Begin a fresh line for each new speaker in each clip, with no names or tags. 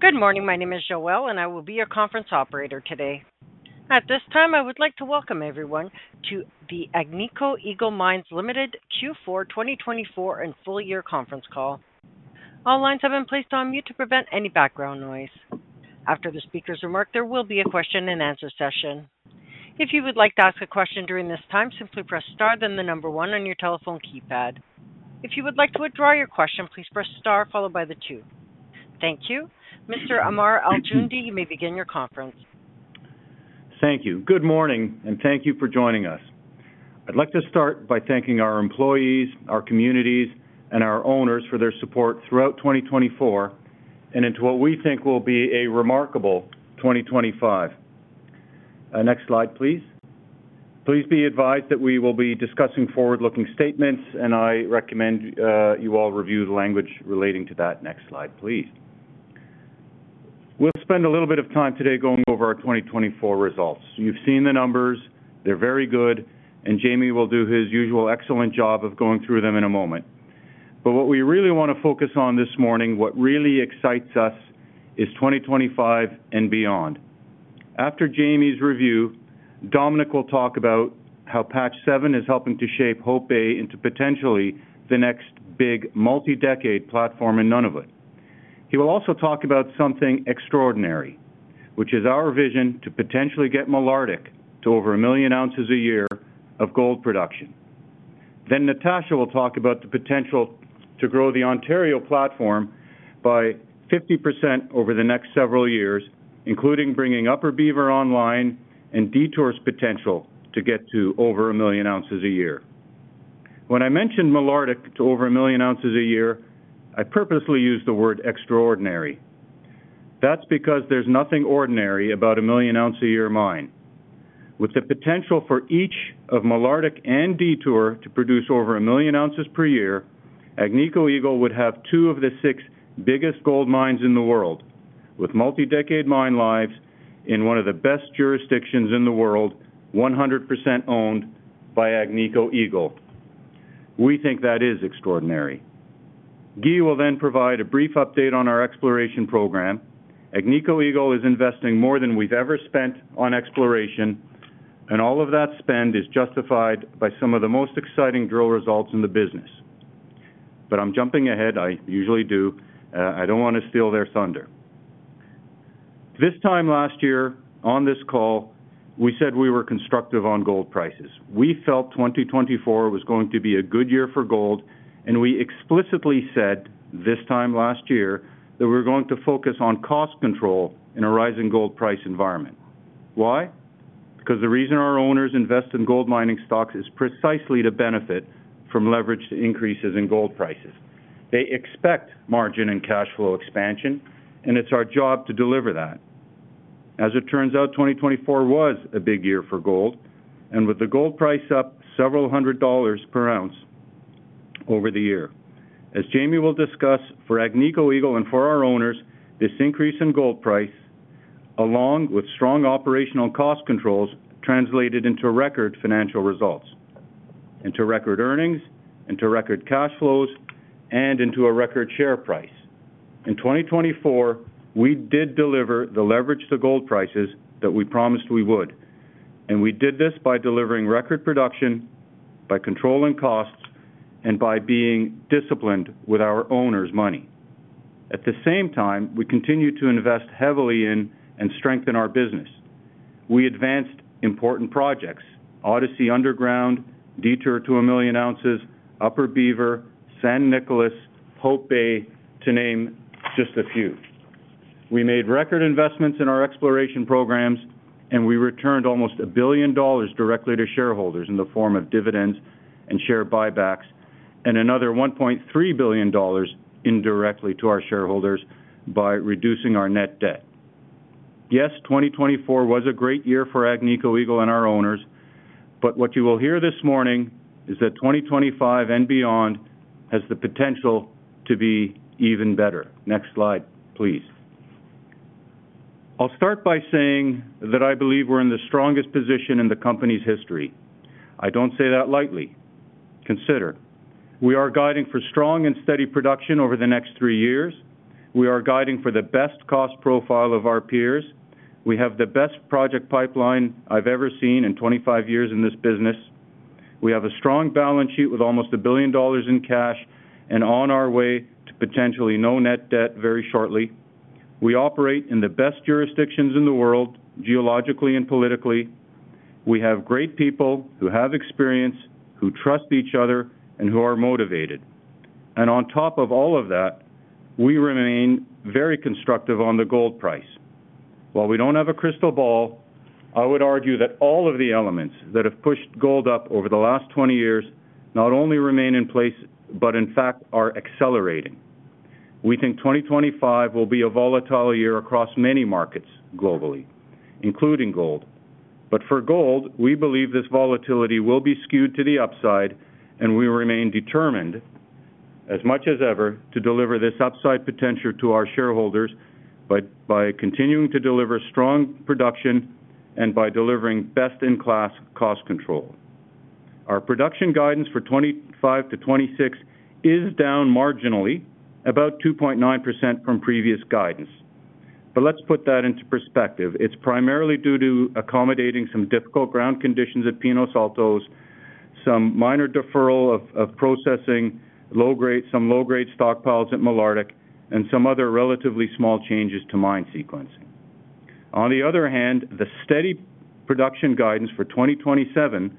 Good morning. My name is Joëlle, and I will be your conference operator today. At this time, I would like to welcome everyone to the Agnico Eagle Mines Limited Q4 2024 and full year conference call. All lines have been placed on mute to prevent any background noise. After the speaker's remark, there will be a question and answer session. If you would like to ask a question during this time, simply press star then the number one on your telephone keypad. If you would like to withdraw your question, please press star followed by the two. Thank you. Mr. Ammar Al-Joundi, you may begin your conference.
Thank you. Good morning, and thank you for joining us. I'd like to start by thanking our employees, our communities, and our owners for their support throughout 2024 and into what we think will be a remarkable 2025. Next slide, please. Please be advised that we will be discussing forward-looking statements, and I recommend you all review the language relating to that. Next slide, please. We'll spend a little bit of time today going over our 2024 results. You've seen the numbers. They're very good, and Jamie will do his usual excellent job of going through them in a moment. But what we really want to focus on this morning, what really excites us, is 2025 and beyond. After Jamie's review, Dominique will talk about how Patch 7 is helping to shape Hope Bay into potentially the next big multi-decade platform in Nunavut. He will also talk about something extraordinary, which is our vision to potentially get Malartic to over a million ounces a year of gold production. Then Natasha will talk about the potential to grow the Ontario platform by 50% over the next several years, including bringing Upper Beaver online and Detour's potential to get to over a million ounces a year. When I mentioned Malartic to over a million ounces a year, I purposely used the word extraordinary. That's because there's nothing ordinary about a million ounces a year mine. With the potential for each of Malartic and Detour to produce over a million ounces per year, Agnico Eagle would have two of the six biggest gold mines in the world, with multi-decade mine lives in one of the best jurisdictions in the world, 100% owned by Agnico Eagle. We think that is extraordinary. Guy will then provide a brief update on our exploration program. Agnico Eagle is investing more than we've ever spent on exploration, and all of that spend is justified by some of the most exciting drill results in the business. But I'm jumping ahead. I usually do. I don't want to steal their thunder. This time last year on this call, we said we were constructive on gold prices. We felt 2024 was going to be a good year for gold, and we explicitly said this time last year that we're going to focus on cost control in a rising gold price environment. Why? Because the reason our owners invest in gold mining stocks is precisely to benefit from leverage increases in gold prices. They expect margin and cash flow expansion, and it's our job to deliver that. As it turns out, 2024 was a big year for gold, and with the gold price up several hundred dollars per ounce over the year, as Jamie will discuss, for Agnico Eagle and for our owners, this increase in gold price, along with strong operational cost controls, translated into record financial results, into record earnings, into record cash flows, and into a record share price. In 2024, we did deliver the leverage to gold prices that we promised we would, and we did this by delivering record production, by controlling costs, and by being disciplined with our owners' money. At the same time, we continue to invest heavily in and strengthen our business. We advanced important projects: Odyssey Underground, Detour to a million ounces, Upper Beaver, San Nicolás, Hope Bay, to name just a few. We made record investments in our exploration programs, and we returned almost $1 billion directly to shareholders in the form of dividends and share buybacks, and another $1.3 billion indirectly to our shareholders by reducing our net debt. Yes, 2024 was a great year for Agnico Eagle and our owners, but what you will hear this morning is that 2025 and beyond has the potential to be even better. Next slide, please. I'll start by saying that I believe we're in the strongest position in the company's history. I don't say that lightly. Consider. We are guiding for strong and steady production over the next three years. We are guiding for the best cost profile of our peers. We have the best project pipeline I've ever seen in 25 years in this business. We have a strong balance sheet with almost $1 billion in cash and on our way to potentially no net debt very shortly. We operate in the best jurisdictions in the world, geologically and politically. We have great people who have experience, who trust each other, and who are motivated. And on top of all of that, we remain very constructive on the gold price. While we don't have a crystal ball, I would argue that all of the elements that have pushed gold up over the last 20 years not only remain in place, but in fact are accelerating. We think 2025 will be a volatile year across many markets globally, including gold. But for gold, we believe this volatility will be skewed to the upside, and we remain determined, as much as ever, to deliver this upside potential to our shareholders by continuing to deliver strong production and by delivering best-in-class cost control. Our production guidance for 2025 to 2026 is down marginally, about 2.9% from previous guidance. But let's put that into perspective. It's primarily due to accommodating some difficult ground conditions at Pinos Altos, some minor deferral of processing, some low-grade stockpiles at Malartic, and some other relatively small changes to mine sequencing. On the other hand, the steady production guidance for 2027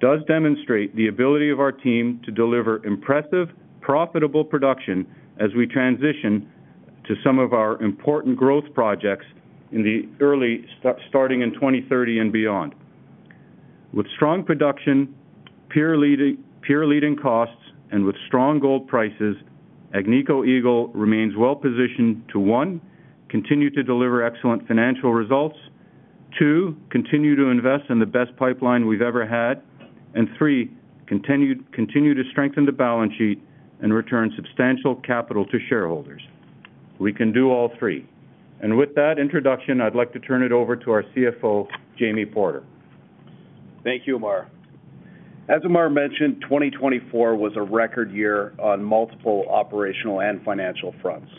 does demonstrate the ability of our team to deliver impressive, profitable production as we transition to some of our important growth projects in the early, starting in 2030 and beyond. With strong production, peer-leading costs, and with strong gold prices, Agnico Eagle remains well-positioned to, one, continue to deliver excellent financial results, two, continue to invest in the best pipeline we've ever had, and three, continue to strengthen the balance sheet and return substantial capital to shareholders, we can do all three, and with that introduction, I'd like to turn it over to our CFO, Jamie Porter.
Thank you, Ammar. As Ammar mentioned, 2024 was a record year on multiple operational and financial fronts.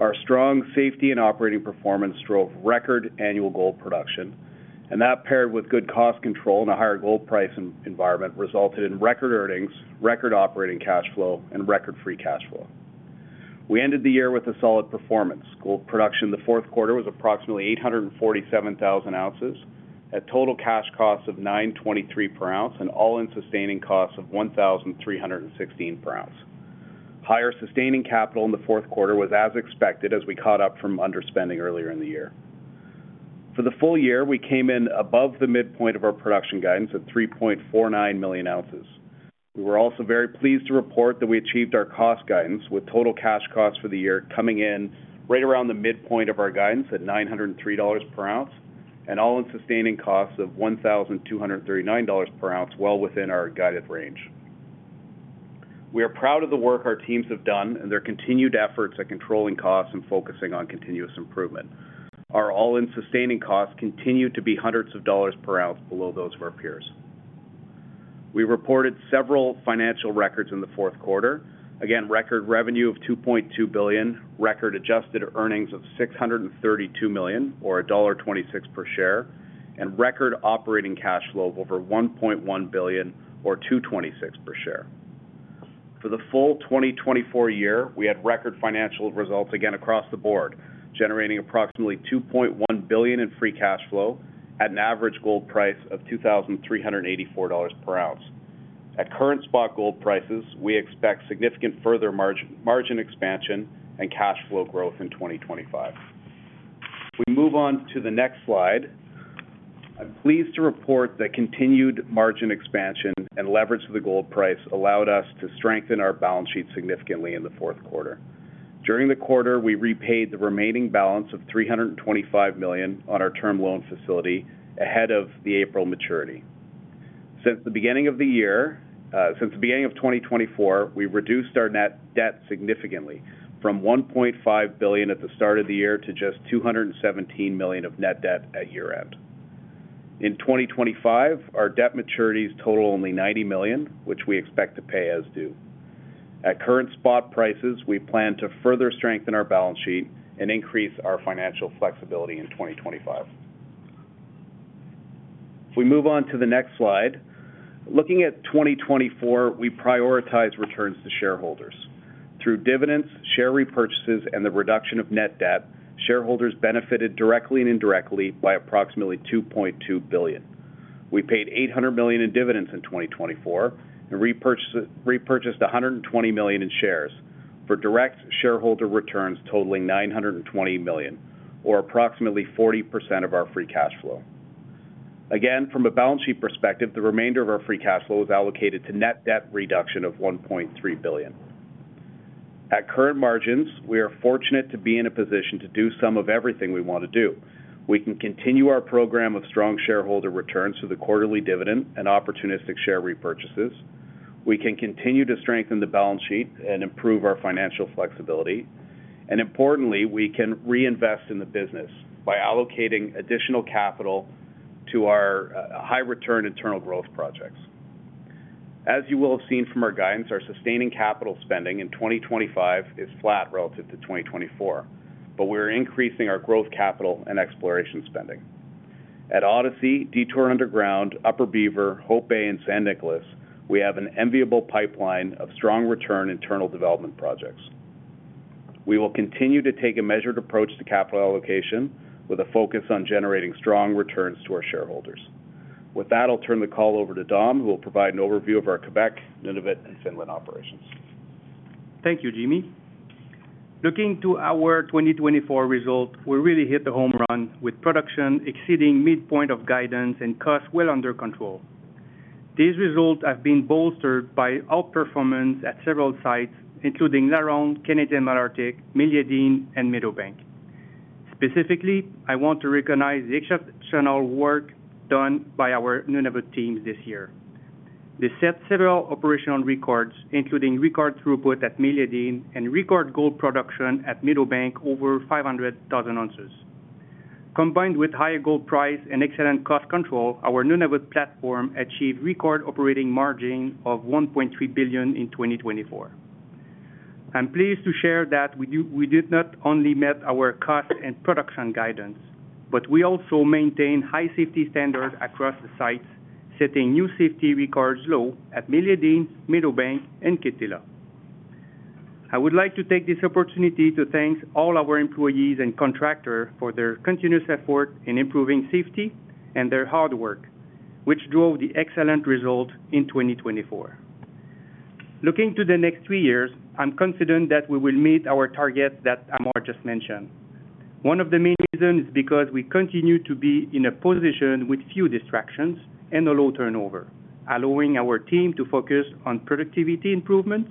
Our strong safety and operating performance drove record annual gold production, and that paired with good cost control and a higher gold price environment resulted in record earnings, record operating cash flow, and record free cash flow. We ended the year with a solid performance. Gold production the fourth quarter was approximately 847,000 ounces at total cash costs of $9.23 per ounce and all-in sustaining costs of $1,316 per ounce. Higher sustaining capital in the fourth quarter was as expected as we caught up from underspending earlier in the year. For the full year, we came in above the midpoint of our production guidance at 3.49 million ounces. We were also very pleased to report that we achieved our cost guidance with total cash costs for the year coming in right around the midpoint of our guidance at $903 per ounce and all-in sustaining costs of $1,239 per ounce, well within our guided range. We are proud of the work our teams have done and their continued efforts at controlling costs and focusing on continuous improvement. Our all-in sustaining costs continue to be hundreds of dollars per ounce below those of our peers. We reported several financial records in the fourth quarter. Again, record revenue of $2.2 billion, record adjusted earnings of $632 million, or $1.26 per share, and record operating cash flow of over $1.1 billion, or $2.26 per share. For the full 2024 year, we had record financial results again across the board, generating approximately $2.1 billion in free cash flow at an average gold price of $2,384 per ounce. At current spot gold prices, we expect significant further margin expansion and cash flow growth in 2025. We move on to the next slide. I'm pleased to report that continued margin expansion and leverage to the gold price allowed us to strengthen our balance sheet significantly in the fourth quarter. During the quarter, we repaid the remaining balance of $325 million on our term loan facility ahead of the April maturity. Since the beginning of the year, since the beginning of 2024, we've reduced our net debt significantly from $1.5 billion at the start of the year to just $217 million of net debt at year-end. In 2025, our debt maturities total only $90 million, which we expect to pay as due. At current spot prices, we plan to further strengthen our balance sheet and increase our financial flexibility in 2025. If we move on to the next slide, looking at 2024, we prioritized returns to shareholders. Through dividends, share repurchases, and the reduction of net debt, shareholders benefited directly and indirectly by approximately $2.2 billion. We paid $800 million in dividends in 2024 and repurchased $120 million in shares for direct shareholder returns totaling $920 million, or approximately 40% of our free cash flow. Again, from a balance sheet perspective, the remainder of our free cash flow was allocated to net debt reduction of $1.3 billion. At current margins, we are fortunate to be in a position to do some of everything we want to do. We can continue our program of strong shareholder returns through the quarterly dividend and opportunistic share repurchases. We can continue to strengthen the balance sheet and improve our financial flexibility. And importantly, we can reinvest in the business by allocating additional capital to our high-return internal growth projects. As you will have seen from our guidance, our sustaining capital spending in 2025 is flat relative to 2024, but we are increasing our growth capital and exploration spending. At Odyssey, Detour Underground, Upper Beaver, Hope Bay, and San Nicolás, we have an enviable pipeline of strong return internal development projects. We will continue to take a measured approach to capital allocation with a focus on generating strong returns to our shareholders. With that, I'll turn the call over to Dom, who will provide an overview of our Quebec, Nunavut, and Finland operations.
Thank you, Jamie. Looking to our 2024 result, we really hit the home run with production exceeding midpoint of guidance and costs well under control. These results have been bolstered by outperformance at several sites, including LaRonde, Canadian Malartic, Meliadine, and Meadowbank. Specifically, I want to recognize the exceptional work done by our Nunavut teams this year. They set several operational records, including record throughput at Meliadine and record gold production at Meadowbank over 500,000 ounces. Combined with higher gold price and excellent cost control, our Nunavut platform achieved record operating margin of $1.3 billion in 2024. I'm pleased to share that we did not only meet our cost and production guidance, but we also maintained high safety standards across the sites, setting new safety record lows at Meliadine, Meadowbank, and Kittilä. I would like to take this opportunity to thank all our employees and contractors for their continuous effort in improving safety and their hard work, which drove the excellent result in 2024. Looking to the next three years, I'm confident that we will meet our targets that Ammar just mentioned. One of the main reasons is because we continue to be in a position with few distractions and a low turnover, allowing our team to focus on productivity improvements.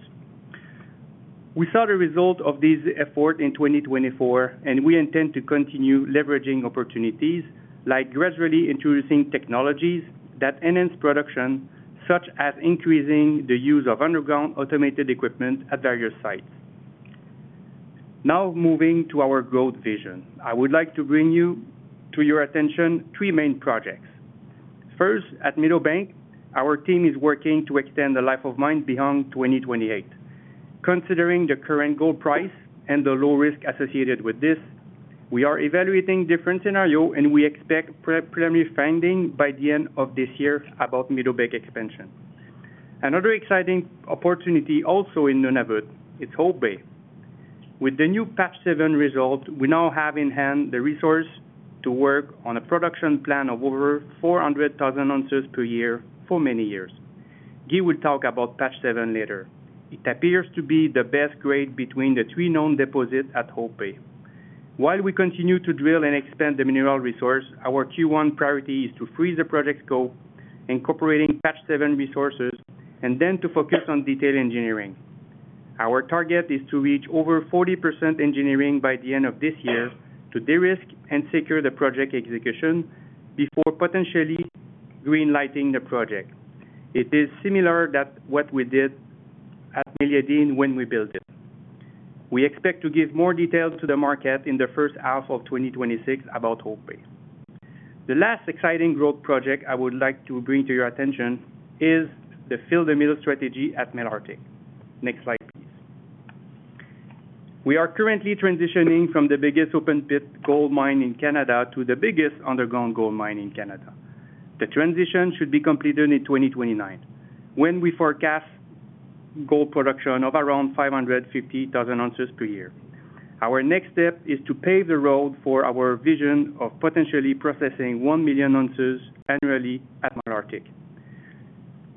We saw the result of this effort in 2024, and we intend to continue leveraging opportunities like gradually introducing technologies that enhance production, such as increasing the use of underground automated equipment at various sites. Now, moving to our growth vision, I would like to bring you to your attention three main projects. First, at Meadowbank, our team is working to extend the life of mine beyond 2028. Considering the current gold price and the low risk associated with this, we are evaluating different scenarios, and we expect primary findings by the end of this year about Meadowbank expansion. Another exciting opportunity also in Nunavut is Hope Bay. With the new Patch 7 result, we now have in hand the resource to work on a production plan of over 400,000 ounces per year for many years. Guy will talk about Patch 7 later. It appears to be the best grade between the three known deposits at Hope Bay. While we continue to drill and expand the mineral resource, our Q1 priority is to freeze the project scope, incorporating Patch 7 resources, and then to focus on detail engineering. Our target is to reach over 40% engineering by the end of this year to de-risk and secure the project execution before potentially greenlighting the project. It is similar to what we did at Meliadine when we built it. We expect to give more details to the market in the first half of 2026 about Hope Bay. The last exciting growth project I would like to bring to your attention is the Fill the Mill strategy at Malartic. Next slide, please. We are currently transitioning from the biggest open-pit gold mine in Canada to the biggest underground gold mine in Canada. The transition should be completed in 2029, when we forecast gold production of around 550,000 ounces per year. Our next step is to pave the road for our vision of potentially processing 1 million ounces annually at Malartic.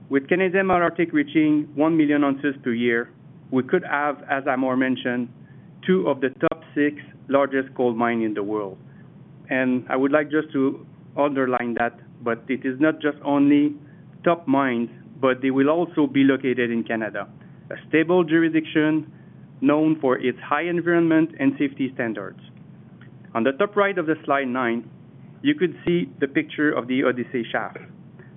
With Canadian Malartic reaching 1 million ounces per year, we could have, as Ammar mentioned, two of the top six largest gold mines in the world. I would like just to underline that, but it is not just only top mines, but they will also be located in Canada, a stable jurisdiction known for its high environmental and safety standards. On the top right of the slide nine, you could see the picture of the Odyssey shaft.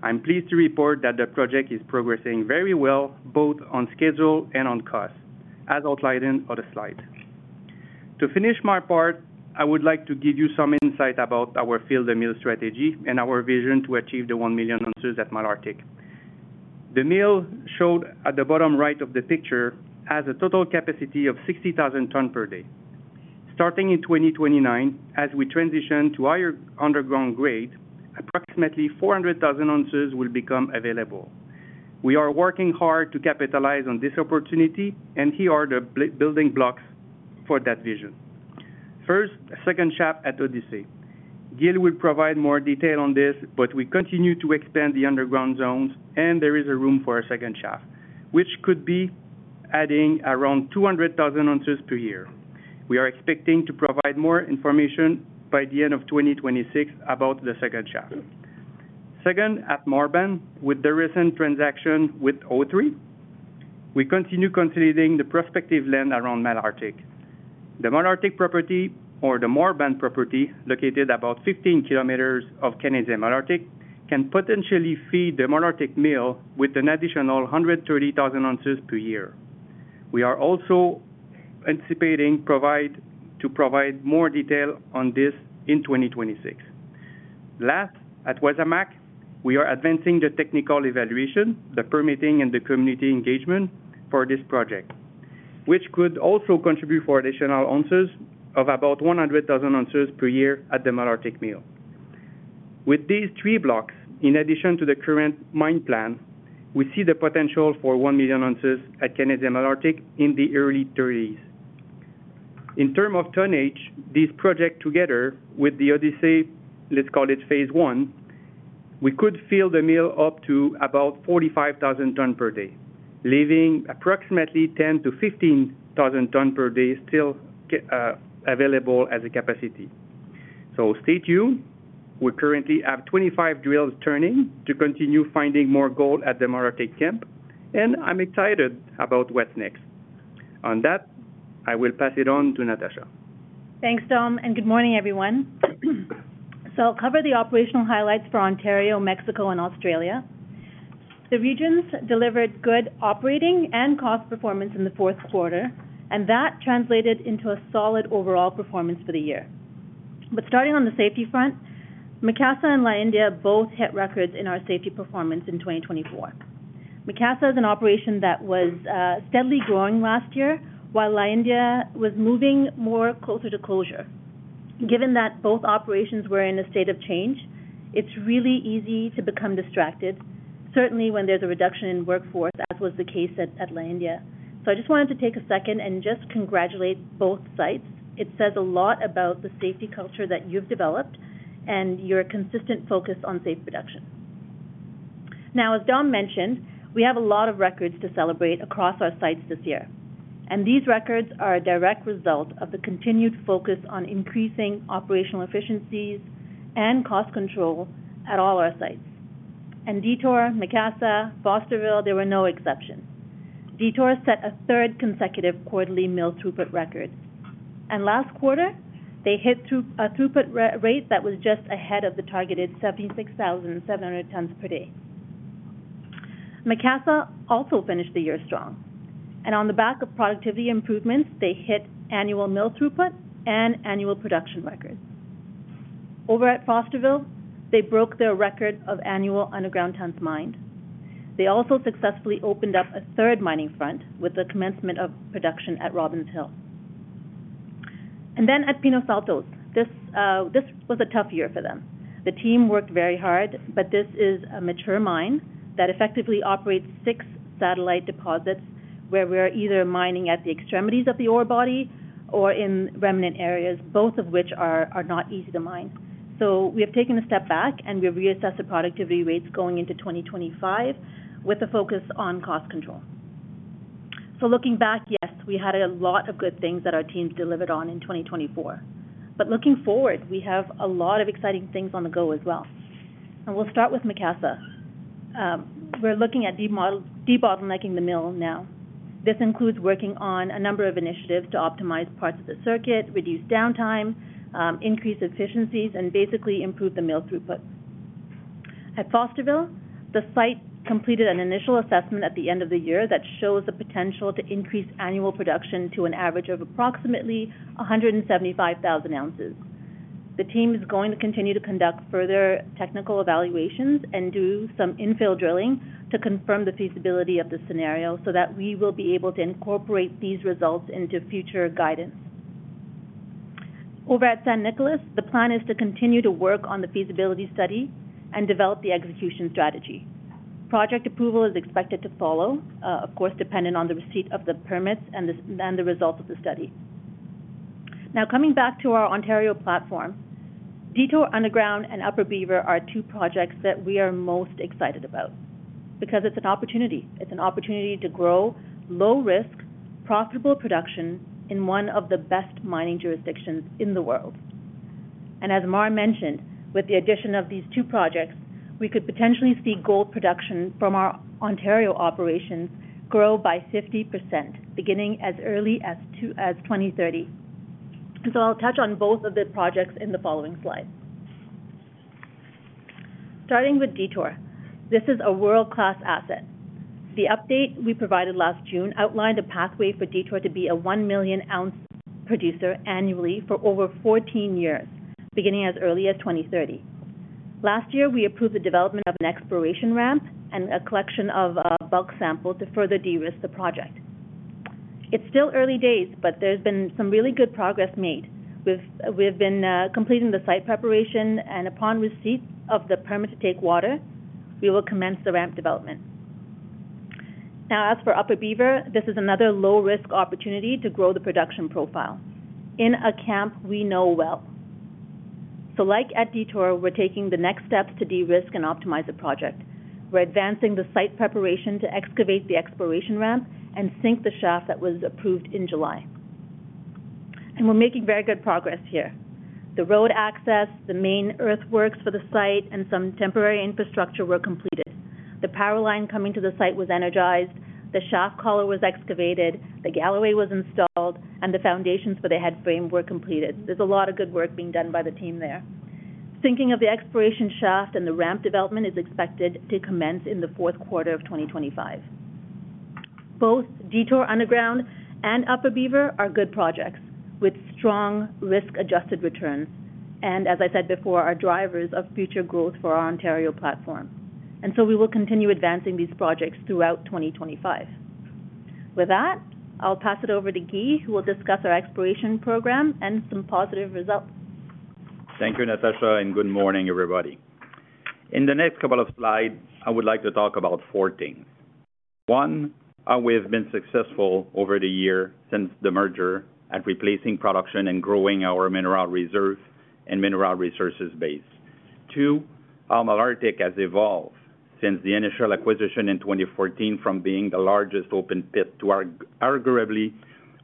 I'm pleased to report that the project is progressing very well, both on schedule and on cost, as outlined in other slides. To finish my part, I would like to give you some insight about our Fill the Mill strategy and our vision to achieve the 1 million ounces at Malartic. The mill shown at the bottom right of the picture has a total capacity of 60,000 tons per day. Starting in 2029, as we transition to higher underground grade, approximately 400,000 ounces will become available. We are working hard to capitalize on this opportunity, and here are the building blocks for that vision. First, a second shaft at Odyssey. Guy will provide more detail on this, but we continue to expand the underground zones, and there is a room for a second shaft, which could be adding around 200,000 ounces per year. We are expecting to provide more information by the end of 2026 about the second shaft. Second, at Marban, with the recent transaction with O3, we continue consolidating the prospective land around Malartic. The Malartic property, or the Marban property, located about 15 kilometers of Canadian Malartic, can potentially feed the Malartic mill with an additional 130,000 ounces per year. We are also anticipating to provide more detail on this in 2026. Last, at Wasamac, we are advancing the technical evaluation, the permitting, and the community engagement for this project, which could also contribute for additional ounces of about 100,000 ounces per year at the Canadian Malartic mill. With these three blocks, in addition to the current mine plan, we see the potential for 1 million ounces at Canadian Malartic in the early 30s. In terms of tonnage, these projects together with the Odyssey, let's call it phase I, we could fill the mill up to about 45,000 tons per day, leaving approximately 10,000-15,000 tons per day still available as a capacity. So stay tuned. We currently have 25 drills turning to continue finding more gold at the Canadian Malartic camp, and I'm excited about what's next. On that, I will pass it on to Natasha.
Thanks, Dom, and good morning, everyone. So I'll cover the operational highlights for Ontario, Mexico, and Australia. The regions delivered good operating and cost performance in the fourth quarter, and that translated into a solid overall performance for the year. But starting on the safety front, Macassa and La India both hit records in our safety performance in 2024. Macassa is an operation that was steadily growing last year, while La India was moving more closer to closure. Given that both operations were in a state of change, it's really easy to become distracted, certainly when there's a reduction in workforce, as was the case at La India. So I just wanted to take a second and just congratulate both sites. It says a lot about the safety culture that you've developed and your consistent focus on safe production. Now, as Dom mentioned, we have a lot of records to celebrate across our sites this year, and these records are a direct result of the continued focus on increasing operational efficiencies and cost control at all our sites. And Detour, Macassa, Fosterville, they were no exception. Detour set a third consecutive quarterly mill throughput record. And last quarter, they hit a throughput rate that was just ahead of the targeted 76,700 tons per day. Macassa also finished the year strong, and on the back of productivity improvements, they hit annual mill throughput and annual production records. Over at Fosterville, they broke their record of annual underground tons mined. They also successfully opened up a third mining front with the commencement of production at Robbins Hill, and then at Pinos Altos, this was a tough year for them. The team worked very hard, but this is a mature mine that effectively operates six satellite deposits where we are either mining at the extremities of the ore body or in remnant areas, both of which are not easy to mine. So we have taken a step back, and we've reassessed the productivity rates going into 2025 with a focus on cost control. So looking back, yes, we had a lot of good things that our team delivered on in 2024. But looking forward, we have a lot of exciting things on the go as well. And we'll start with Macassa. We're looking at debottlenecking the mill now. This includes working on a number of initiatives to optimize parts of the circuit, reduce downtime, increase efficiencies, and basically improve the mill throughput. At Fosterville, the site completed an initial assessment at the end of the year that shows the potential to increase annual production to an average of approximately 175,000 ounces. The team is going to continue to conduct further technical evaluations and do some infill drilling to confirm the feasibility of the scenario so that we will be able to incorporate these results into future guidance. Over at San Nicolás, the plan is to continue to work on the feasibility study and develop the execution strategy. Project approval is expected to follow, of course, dependent on the receipt of the permits and the results of the study. Now, coming back to our Ontario platform, Detour Underground and Upper Beaver are two projects that we are most excited about because it's an opportunity. It's an opportunity to grow low-risk, profitable production in one of the best mining jurisdictions in the world. As Ammar mentioned, with the addition of these two projects, we could potentially see gold production from our Ontario operations grow by 50%, beginning as early as 2030. I'll touch on both of the projects in the following slide. Starting with Detour, this is a world-class asset. The update we provided last June outlined a pathway for Detour to be a 1 million ounce producer annually for over 14 years, beginning as early as 2030. Last year, we approved the development of an exploration ramp and a collection of bulk samples to further de-risk the project. It's still early days, but there's been some really good progress made. We've been completing the site preparation, and upon receipt of the permit to take water, we will commence the ramp development. Now, as for Upper Beaver, this is another low-risk opportunity to grow the production profile in a camp we know well. So like at Detour, we're taking the next steps to de-risk and optimize the project. We're advancing the site preparation to excavate the exploration ramp and sink the shaft that was approved in July. And we're making very good progress here. The road access, the main earthworks for the site, and some temporary infrastructure were completed. The power line coming to the site was energized. The shaft collar was excavated. The gallery was installed, and the foundations for the head frame were completed. There's a lot of good work being done by the team there. Thinking of the exploration shaft and the ramp development is expected to commence in the fourth quarter of 2025. Both Detour Underground and Upper Beaver are good projects with strong risk-adjusted returns and, as I said before, are drivers of future growth for our Ontario platform, and so we will continue advancing these projects throughout 2025. With that, I'll pass it over to Guy, who will discuss our exploration program and some positive results.
Thank you, Natasha, and good morning, everybody. In the next couple of slides, I would like to talk about four things. One, we've been successful over the year since the merger at replacing production and growing our mineral reserve and mineral resources base. Two, Canadian Malartic has evolved since the initial acquisition in 2014 from being the largest open pit to arguably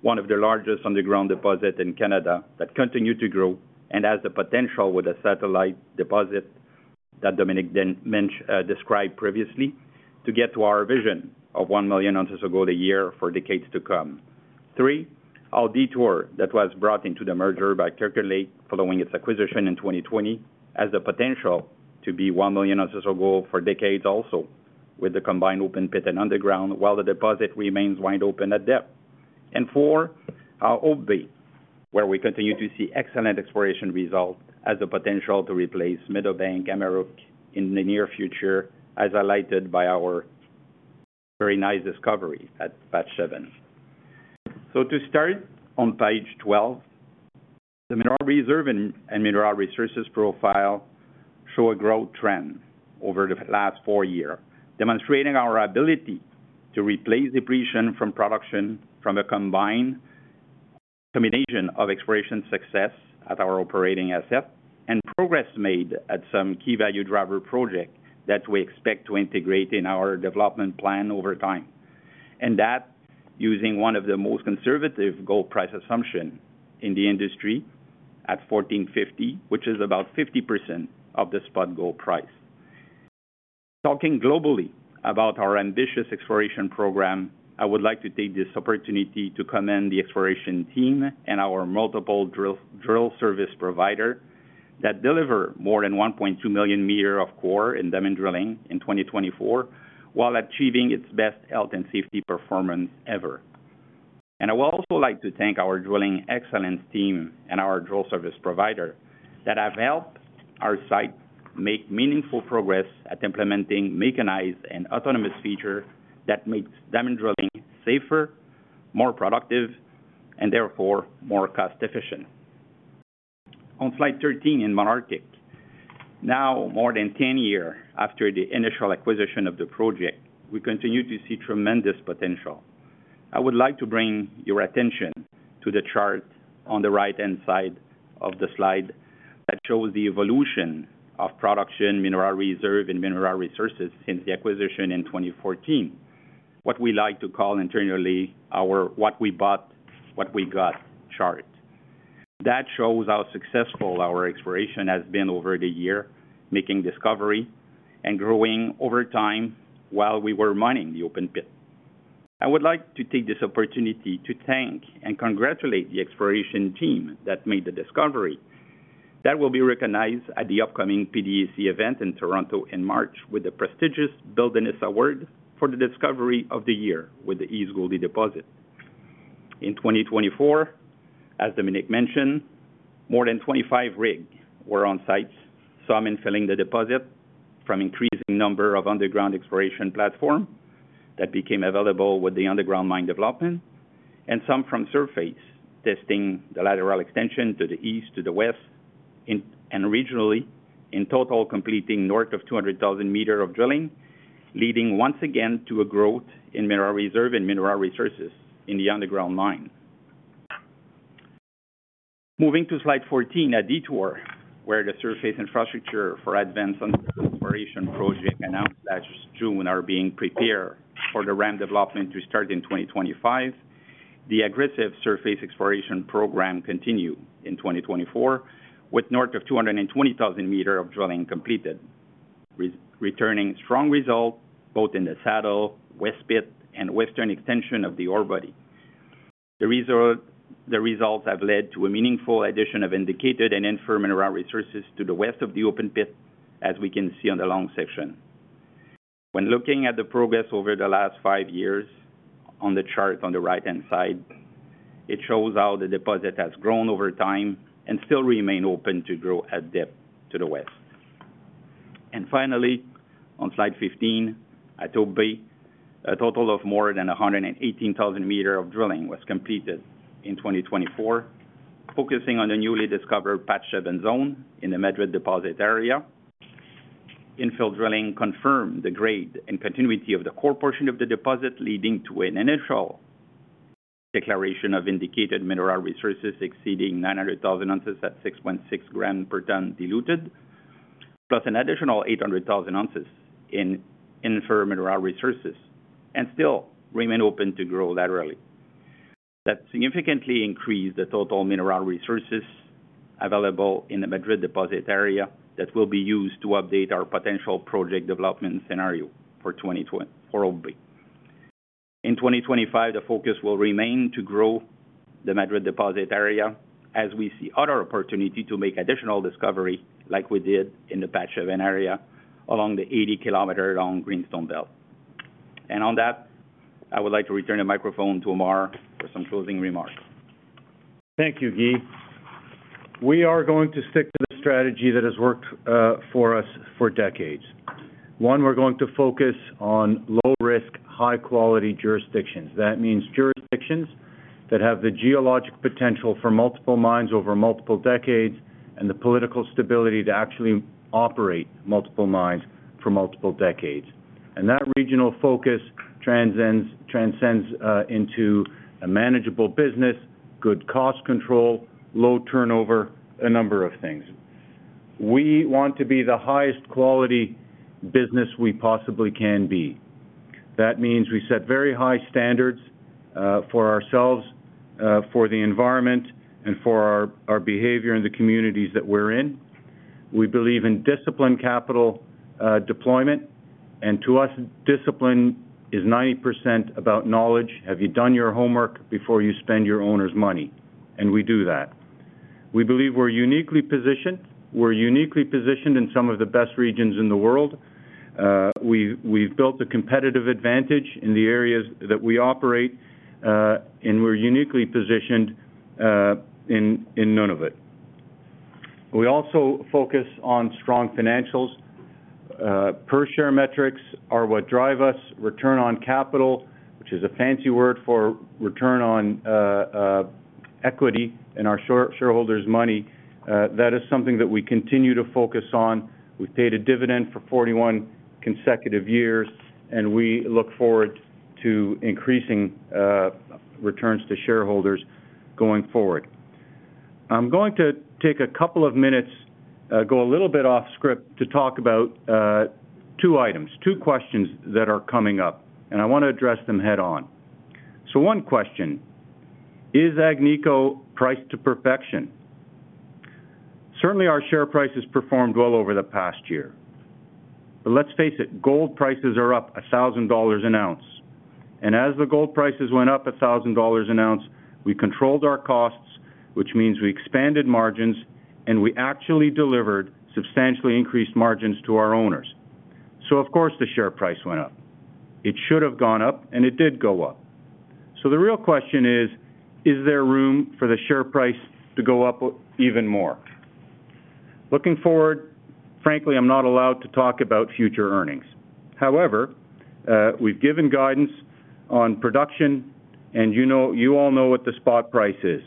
one of the largest underground deposits in Canada that continued to grow and has the potential with a satellite deposit that Dominique described previously to get to our vision of one million ounces of gold a year for decades to come. Three, our Detour that was brought into the merger by Kirkland Lake following its acquisition in 2020 has the potential to be one million ounces of gold for decades also with the combined open pit and underground while the deposit remains wide open at depth. Four, our Hope Bay, where we continue to see excellent exploration results, has the potential to replace Meadowbank, Amaruq in the near future, as highlighted by our very nice discovery at Patch 7. To start on page 12, the mineral reserve and mineral resources profile show a growth trend over the last four years, demonstrating our ability to replace depletion from production from a combination of exploration success at our operating asset and progress made at some key value driver project that we expect to integrate in our development plan over time. That, using one of the most conservative gold price assumptions in the industry at $1,450, which is about 50% of the spot gold price. Talking globally about our ambitious exploration program, I would like to take this opportunity to commend the exploration team and our multiple drill service provider that deliver more than 1.2 million meters of core and diamond drilling in 2024 while achieving its best health and safety performance ever. And I would also like to thank our drilling excellence team and our drill service provider that have helped our site make meaningful progress at implementing mechanized and autonomous features that make diamond drilling safer, more productive, and therefore more cost-efficient. On slide 13 in Malartic, now more than 10 years after the initial acquisition of the project, we continue to see tremendous potential. I would like to bring your attention to the chart on the right-hand side of the slide that shows the evolution of production, mineral reserve, and mineral resources since the acquisition in 2014, what we like to call internally our what we bought, what we got chart. That shows how successful our exploration has been over the year, making discovery and growing over time while we were mining the open pit. I would like to take this opportunity to thank and congratulate the exploration team that made the discovery that will be recognized at the upcoming PDAC event in Toronto in March with the prestigious Bill Dennis Award for the discovery of the year with the East Gouldie Deposit. In 2024, as Dominique mentioned, more than 25 rigs were on site, some infilling the deposit from increasing number of underground exploration platforms that became available with the underground mine development, and some from surface testing the lateral extension to the east, to the west, and regionally, in total completing north of 200,000 meters of drilling, leading once again to a growth in mineral reserve and mineral resources in the underground mine. Moving to slide 14 at Detour, where the surface infrastructure for advanced exploration project announced last June are being prepared for the ramp development to start in 2025, the aggressive surface exploration program continued in 2024 with north of 220,000 meters of drilling completed, returning strong results both in the Saddle, West Pit, and western extension of the orebody. The results have led to a meaningful addition of indicated and inferred mineral resources to the west of the open pit, as we can see on the long section. When looking at the progress over the last five years on the chart on the right-hand side, it shows how the deposit has grown over time and still remains open to grow at depth to the west. Finally, on slide 15 at Hope Bay, a total of more than 118,000 meters of drilling was completed in 2024, focusing on the newly discovered Patch 7 zone in the Madrid deposit area. Infill drilling confirmed the grade and continuity of the core portion of the deposit, leading to an initial declaration of indicated mineral resources exceeding 900,000 ounces at 6.6 grams per ton diluted, plus an additional 800,000 ounces in inferred mineral resources, and still remain open to grow laterally. That significantly increased the total mineral resources available in the Madrid deposit area that will be used to update our potential project development scenario for Hope Bay. In 2025, the focus will remain to grow the Madrid deposit area as we see other opportunities to make additional discovery like we did in the Patch 7 area along the 80 km long Greenstone Belt. I would like to return the microphone to Ammar for some closing remarks.
Thank you, Guy. We are going to stick to the strategy that has worked for us for decades. One, we're going to focus on low-risk, high-quality jurisdictions. That means jurisdictions that have the geologic potential for multiple mines over multiple decades and the political stability to actually operate multiple mines for multiple decades, and that regional focus transcends into a manageable business, good cost control, low turnover, a number of things. We want to be the highest quality business we possibly can be. That means we set very high standards for ourselves, for the environment, and for our behavior in the communities that we're in. We believe in disciplined capital deployment, and to us, discipline is 90% about knowledge. Have you done your homework before you spend your owner's money, and we do that. We believe we're uniquely positioned. We're uniquely positioned in some of the best regions in the world. We've built a competitive advantage in the areas that we operate, and we're uniquely positioned in Nunavut. We also focus on strong financials. Per-share metrics are what drive us. Return on capital, which is a fancy word for return on equity in our shareholders' money, that is something that we continue to focus on. We've paid a dividend for 41 consecutive years, and we look forward to increasing returns to shareholders going forward. I'm going to take a couple of minutes, go a little bit off script to talk about two items, two questions that are coming up, and I want to address them head-on. So one question: Is Agnico priced to perfection? Certainly, our share price has performed well over the past year. But let's face it, gold prices are up $1,000 an ounce. As the gold prices went up $1,000 an ounce, we controlled our costs, which means we expanded margins, and we actually delivered substantially increased margins to our owners. Of course, the share price went up. It should have gone up, and it did go up. The real question is, is there room for the share price to go up even more? Looking forward, frankly, I'm not allowed to talk about future earnings. However, we've given guidance on production, and you all know what the spot price is.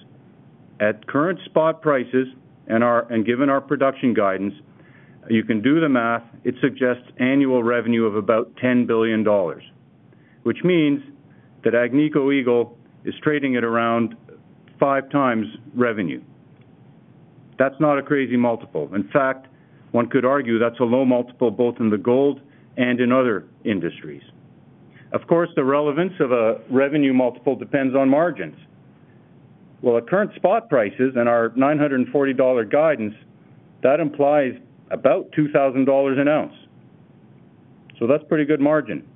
At current spot prices, and given our production guidance, you can do the math. It suggests annual revenue of about $10 billion, which means that Agnico Eagle is trading at around five times revenue. That's not a crazy multiple. In fact, one could argue that's a low multiple both in the gold and in other industries. Of course, the relevance of a revenue multiple depends on margins. Well, at current spot prices and our $940 guidance, that implies about $2,000 an ounce. So that's a pretty good margin.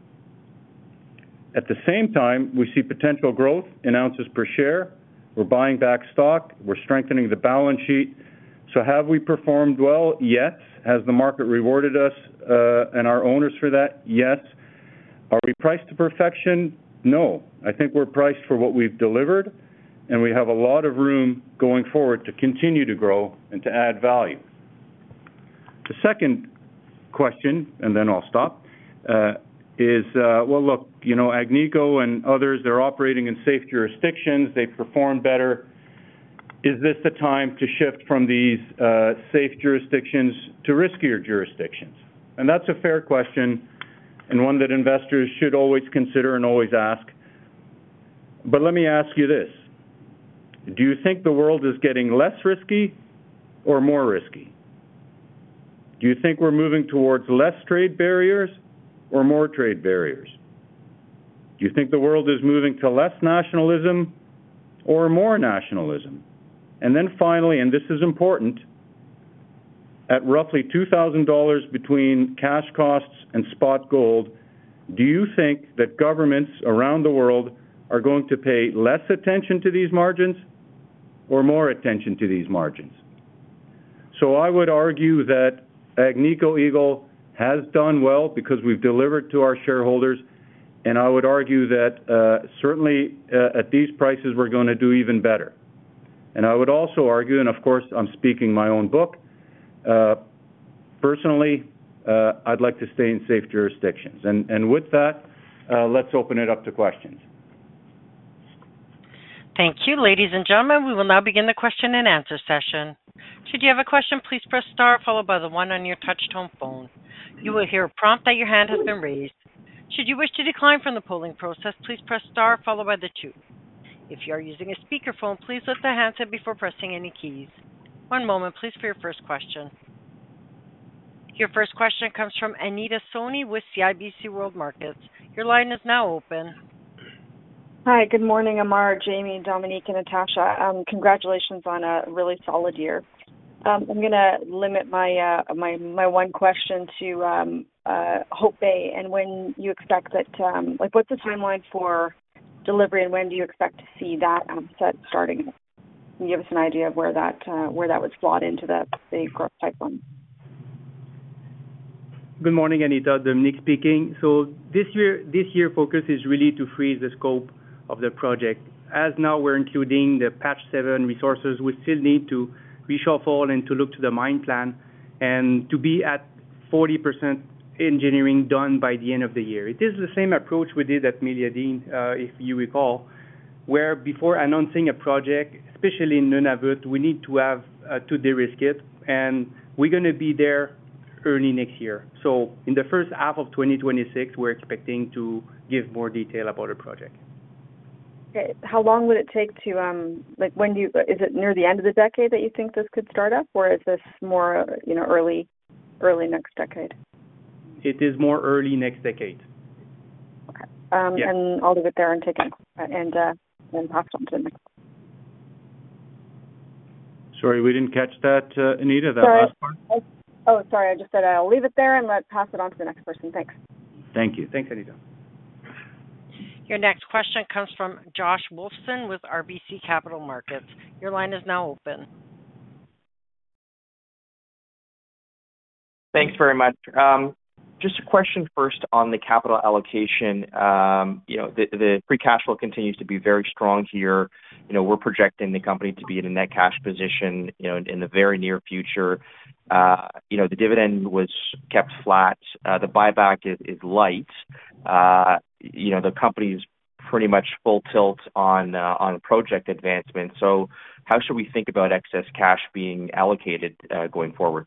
At the same time, we see potential growth in ounces per share. We're buying back stock. We're strengthening the balance sheet. So have we performed well? Yes. Has the market rewarded us and our owners for that? Yes. Are we priced to perfection? No. I think we're priced for what we've delivered, and we have a lot of room going forward to continue to grow and to add value. The second question, and then I'll stop, is, well, look, Agnico and others, they're operating in safe jurisdictions. They perform better. Is this the time to shift from these safe jurisdictions to riskier jurisdictions? And that's a fair question and one that investors should always consider and always ask. But let me ask you this: Do you think the world is getting less risky or more risky? Do you think we're moving towards less trade barriers or more trade barriers? Do you think the world is moving to less nationalism or more nationalism? And then finally, and this is important, at roughly $2,000 between cash costs and spot gold, do you think that governments around the world are going to pay less attention to these margins or more attention to these margins? So I would argue that Agnico Eagle has done well because we've delivered to our shareholders, and I would argue that certainly at these prices, we're going to do even better. And I would also argue, and of course, I'm speaking my own book, personally, I'd like to stay in safe jurisdictions. And with that, let's open it up to questions.
Thank you, ladies and gentlemen. We will now begin the question and answer session. Should you have a question, please press star, followed by the one on your touch-tone phone. You will hear a prompt that your hand has been raised. Should you wish to decline from the polling process, please press star, followed by the two. If you are using a speakerphone, please pick up the handset before pressing any keys. One moment, please, for your first question. Your first question comes from Anita Soni with CIBC World Markets. Your line is now open.
Hi. Good morning, Ammar, Jamie, Dominique, and Natasha. Congratulations on a really solid year. I'm going to limit my one question to Hope Bay. And when do you expect that? What's the timeline for delivery, and when do you expect to see that asset starting? Can you give us an idea of where that was brought into the growth pipeline?
Good morning, Anita. Dominique speaking. So this year, focus is really to freeze the scope of the project. As now we're including the Patch 7 resources, we still need to reshuffle and to look to the mine plan and to be at 40% engineering done by the end of the year. It is the same approach we did at Meliadine, if you recall, where before announcing a project, especially in Nunavut, we need to have to de-risk it. And we're going to be there early next year. So in the first half of 2026, we're expecting to give more detail about the project.
Okay. How long would it take? Is it near the end of the decade that you think this could start up, or is this more early next decade?
It is more early next decade.
Okay, and I'll leave it there and take it and pass it on to the next person.
Sorry, we didn't catch that, Anita, that last part.
Oh, sorry. I just said I'll leave it there and pass it on to the next person. Thanks.
Thank you.
Thanks, Anita.
Your next question comes from Josh Wolfson with RBC Capital Markets. Your line is now open.
Thanks very much. Just a question first on the capital allocation. The free cash flow continues to be very strong here. We're projecting the company to be in a net cash position in the very near future. The dividend was kept flat. The buyback is light. The company is pretty much full tilt on project advancement. So how should we think about excess cash being allocated going forward?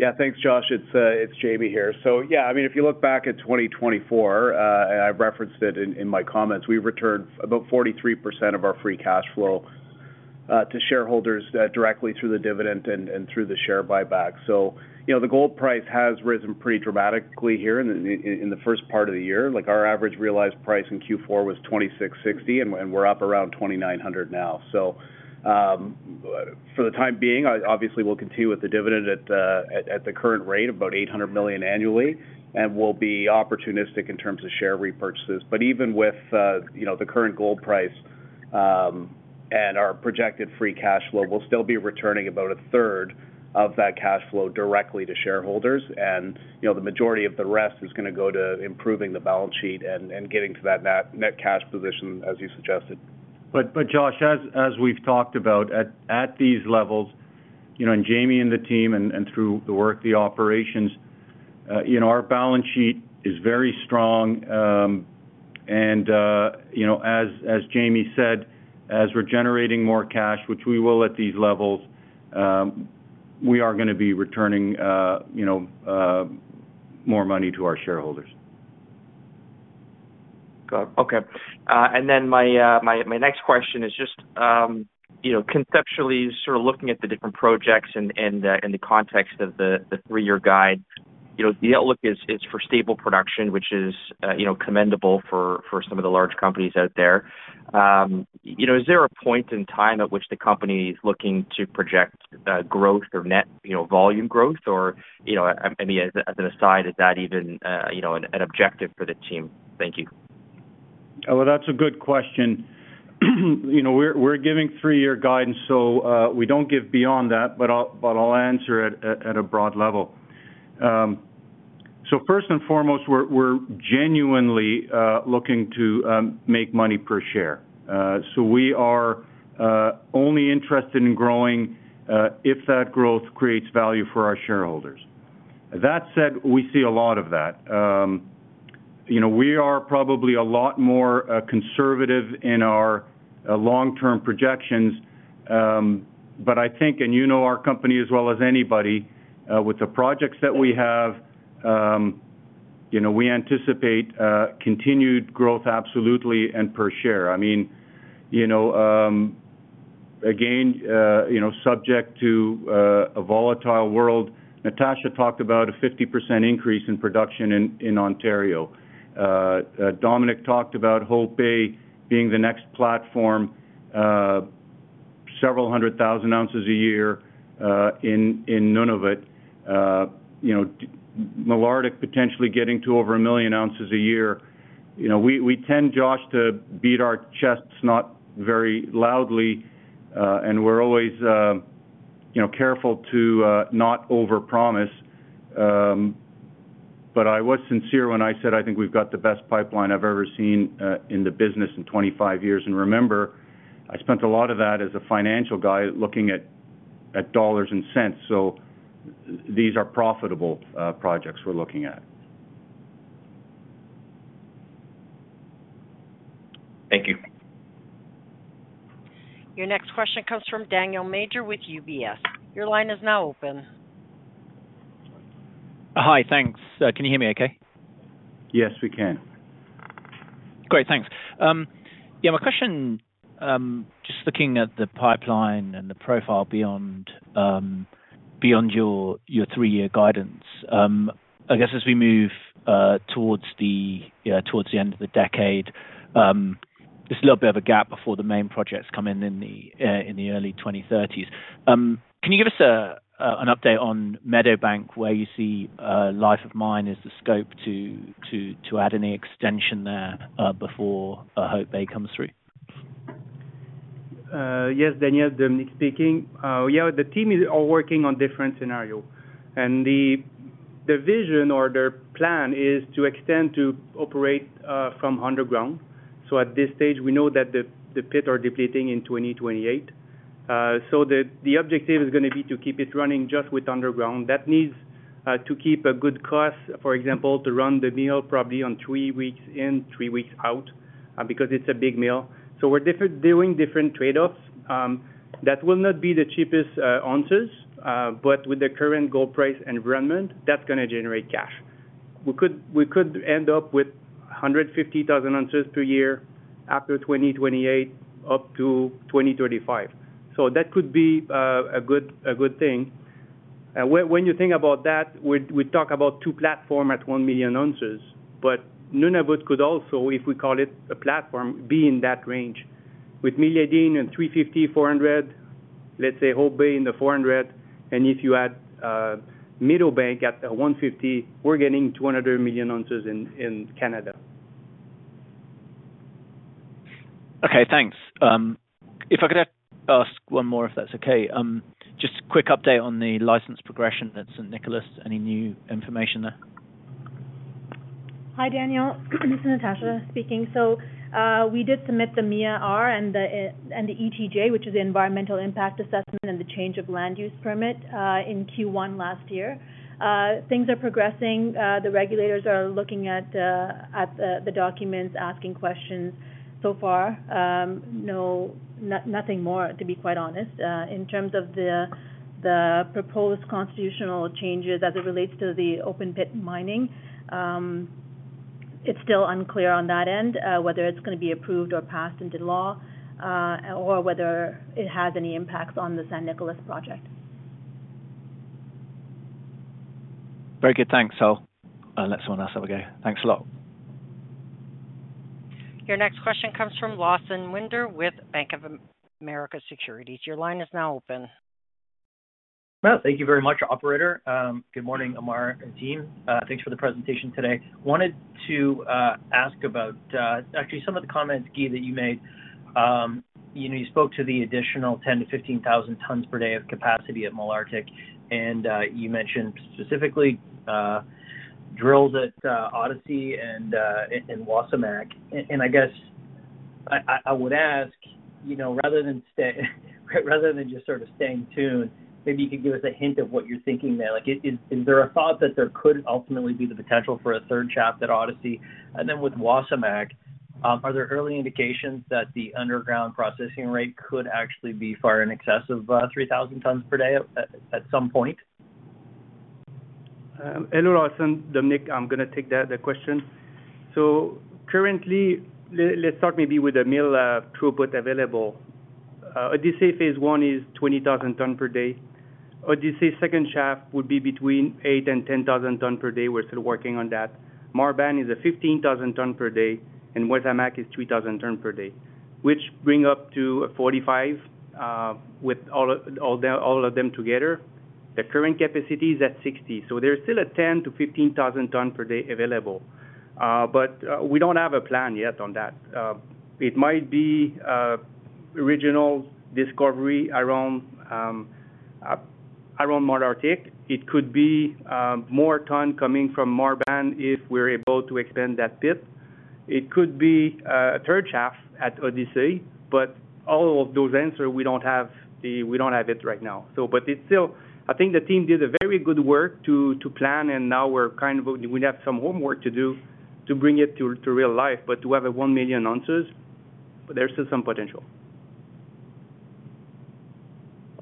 Yeah. Thanks, Josh. It's Jamie here. So yeah, I mean, if you look back at 2024, and I've referenced it in my comments, we returned about 43% of our free cash flow to shareholders directly through the dividend and through the share buyback. So the gold price has risen pretty dramatically here in the first part of the year. Our average realized price in Q4 was $2,660, and we're up around $2,900 now. So for the time being, obviously, we'll continue with the dividend at the current rate of about $800 million annually, and we'll be opportunistic in terms of share repurchases. But even with the current gold price and our projected free cash flow, we'll still be returning about a third of that cash flow directly to shareholders. The majority of the rest is going to go to improving the balance sheet and getting to that net cash position, as you suggested.
But Josh, as we've talked about, at these levels, and Jamie and the team and through the work, the operations, our balance sheet is very strong. And as Jamie said, as we're generating more cash, which we will at these levels, we are going to be returning more money to our shareholders.
Got it. Okay. And then my next question is just conceptually sort of looking at the different projects and the context of the three-year guide. The outlook is for stable production, which is commendable for some of the large companies out there. Is there a point in time at which the company is looking to project growth or net volume growth? Or I mean, as an aside, is that even an objective for the team? Thank you.
That's a good question. We're giving three-year guidance, so we don't give beyond that, but I'll answer it at a broad level. First and foremost, we're genuinely looking to make money per share. We are only interested in growing if that growth creates value for our shareholders. That said, we see a lot of that. We are probably a lot more conservative in our long-term projections. I think, and you know our company as well as anybody, with the projects that we have, we anticipate continued growth absolutely and per share. I mean, again, subject to a volatile world, Natasha talked about a 50% increase in production in Ontario. Dominique talked about Hope Bay being the next platform, several hundred thousand ounces a year in Nunavut, Malartic potentially getting to over a million ounces a year. We tend, Josh, to beat our chests not very loudly, and we're always careful to not overpromise. But I was sincere when I said I think we've got the best pipeline I've ever seen in the business in 25 years. And remember, I spent a lot of that as a financial guy looking at dollars and cents. So these are profitable projects we're looking at.
Thank you.
Your next question comes from Daniel Major with UBS. Your line is now open.
Hi. Thanks. Can you hear me okay?
Yes, we can.
Great. Thanks. Yeah, my question, just looking at the pipeline and the profile beyond your three-year guidance, I guess as we move towards the end of the decade, there's a little bit of a gap before the main projects come in in the early 2030s. Can you give us an update on Meadowbank, where you see life of mine is the scope to add any extension there before Hope Bay comes through?
Yes, Daniel, Dominique speaking. Yeah, the team is all working on different scenarios. And the vision or the plan is to extend to operate from underground. So at this stage, we know that the pits are depleting in 2028. So the objective is going to be to keep it running just with underground. That needs to keep a good cost, for example, to run the mill probably on three weeks in, three weeks out, because it's a big mill. So we're doing different trade-offs. That will not be the cheapest ounces, but with the current gold price environment, that's going to generate cash. We could end up with 150,000 ounces per year after 2028 up to 2035. So that could be a good thing. When you think about that, we talk about two platforms at one million ounces, but Nunavut could also, if we call it a platform, be in that range. With Meliadine and 350, 400, let's say Hope Bay in the 400, and if you add Meadowbank at 150, we're getting 200 million ounces in Canada.
Okay. Thanks. If I could ask one more, if that's okay, just a quick update on the license progression that's in San Nicolás. Any new information there?
Hi, Daniel. This is Natasha speaking. So we did submit the MIA-R and the ETJ, which is the Environmental Impact Assessment and the Change of Land Use Permit, in Q1 last year. Things are progressing. The regulators are looking at the documents, asking questions. So far, nothing more, to be quite honest. In terms of the proposed constitutional changes as it relates to the open-pit mining, it's still unclear on that end whether it's going to be approved or passed into law or whether it has any impacts on the San Nicolás project.
Very good. Thanks. I'll let someone else have a go. Thanks a lot.
Your next question comes from Lawson Winder with Bank of America Securities. Your line is now open.
Thank you very much, operator. Good morning, Ammar and team. Thanks for the presentation today. Wanted to ask about actually some of the comments, Guy, that you made. You spoke to the additional 10-15 thousand tons per day of capacity at Malartic, and you mentioned specifically drills at Odyssey and Wasamac. And I guess I would ask, rather than just sort of staying tuned, maybe you could give us a hint of what you're thinking there. Is there a thought that there could ultimately be the potential for a third shaft at Odyssey? And then with Wasamac, are there early indications that the underground processing rate could actually be far in excess of 3,000 tons per day at some point?
Hello, Lawson. Dominique, I'm going to take the question. So currently, let's start maybe with the mill throughput available. Odyssey phase one is 20,000 tons per day. Odyssey second shaft would be between 8 and 10 thousand tons per day. We're still working on that. Marban is a 15,000 ton per day, and Wasamac is 3,000 ton per day, which brings up to 45 with all of them together. The current capacity is at 60. So there's still a 10-15 thousand ton per day available. But we don't have a plan yet on that. It might be original discovery around Malartic. It could be more ton coming from Marban if we're able to expand that pit. It could be a third shaft at Odyssey, but all of those answers, we don't have it right now. I think the team did a very good work to plan, and now we kind of have some homework to do to bring it to real life. To have a 1 million ounces, there's still some potential.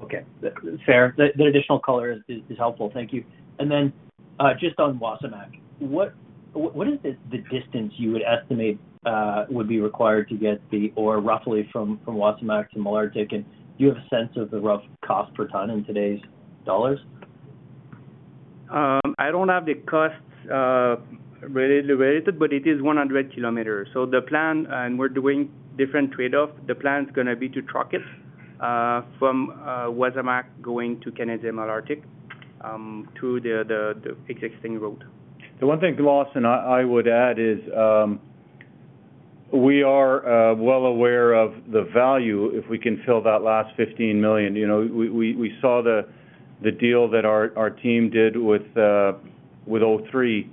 Okay. Fair. The additional color is helpful. Thank you. And then just on Wasamac, what is the distance you would estimate would be required to get or roughly from Wasamac to Malartic? And do you have a sense of the rough cost per ton in today's dollars?
I don't have the cost related, but it is 100 km. So the plan, and we're doing different trade-offs. The plan is going to be to truck it from Wasamac going to Canadian Malartic through the existing route.
The one thing, Lawson, I would add is we are well aware of the value if we can fill that last 15 million. We saw the deal that our team did with O3,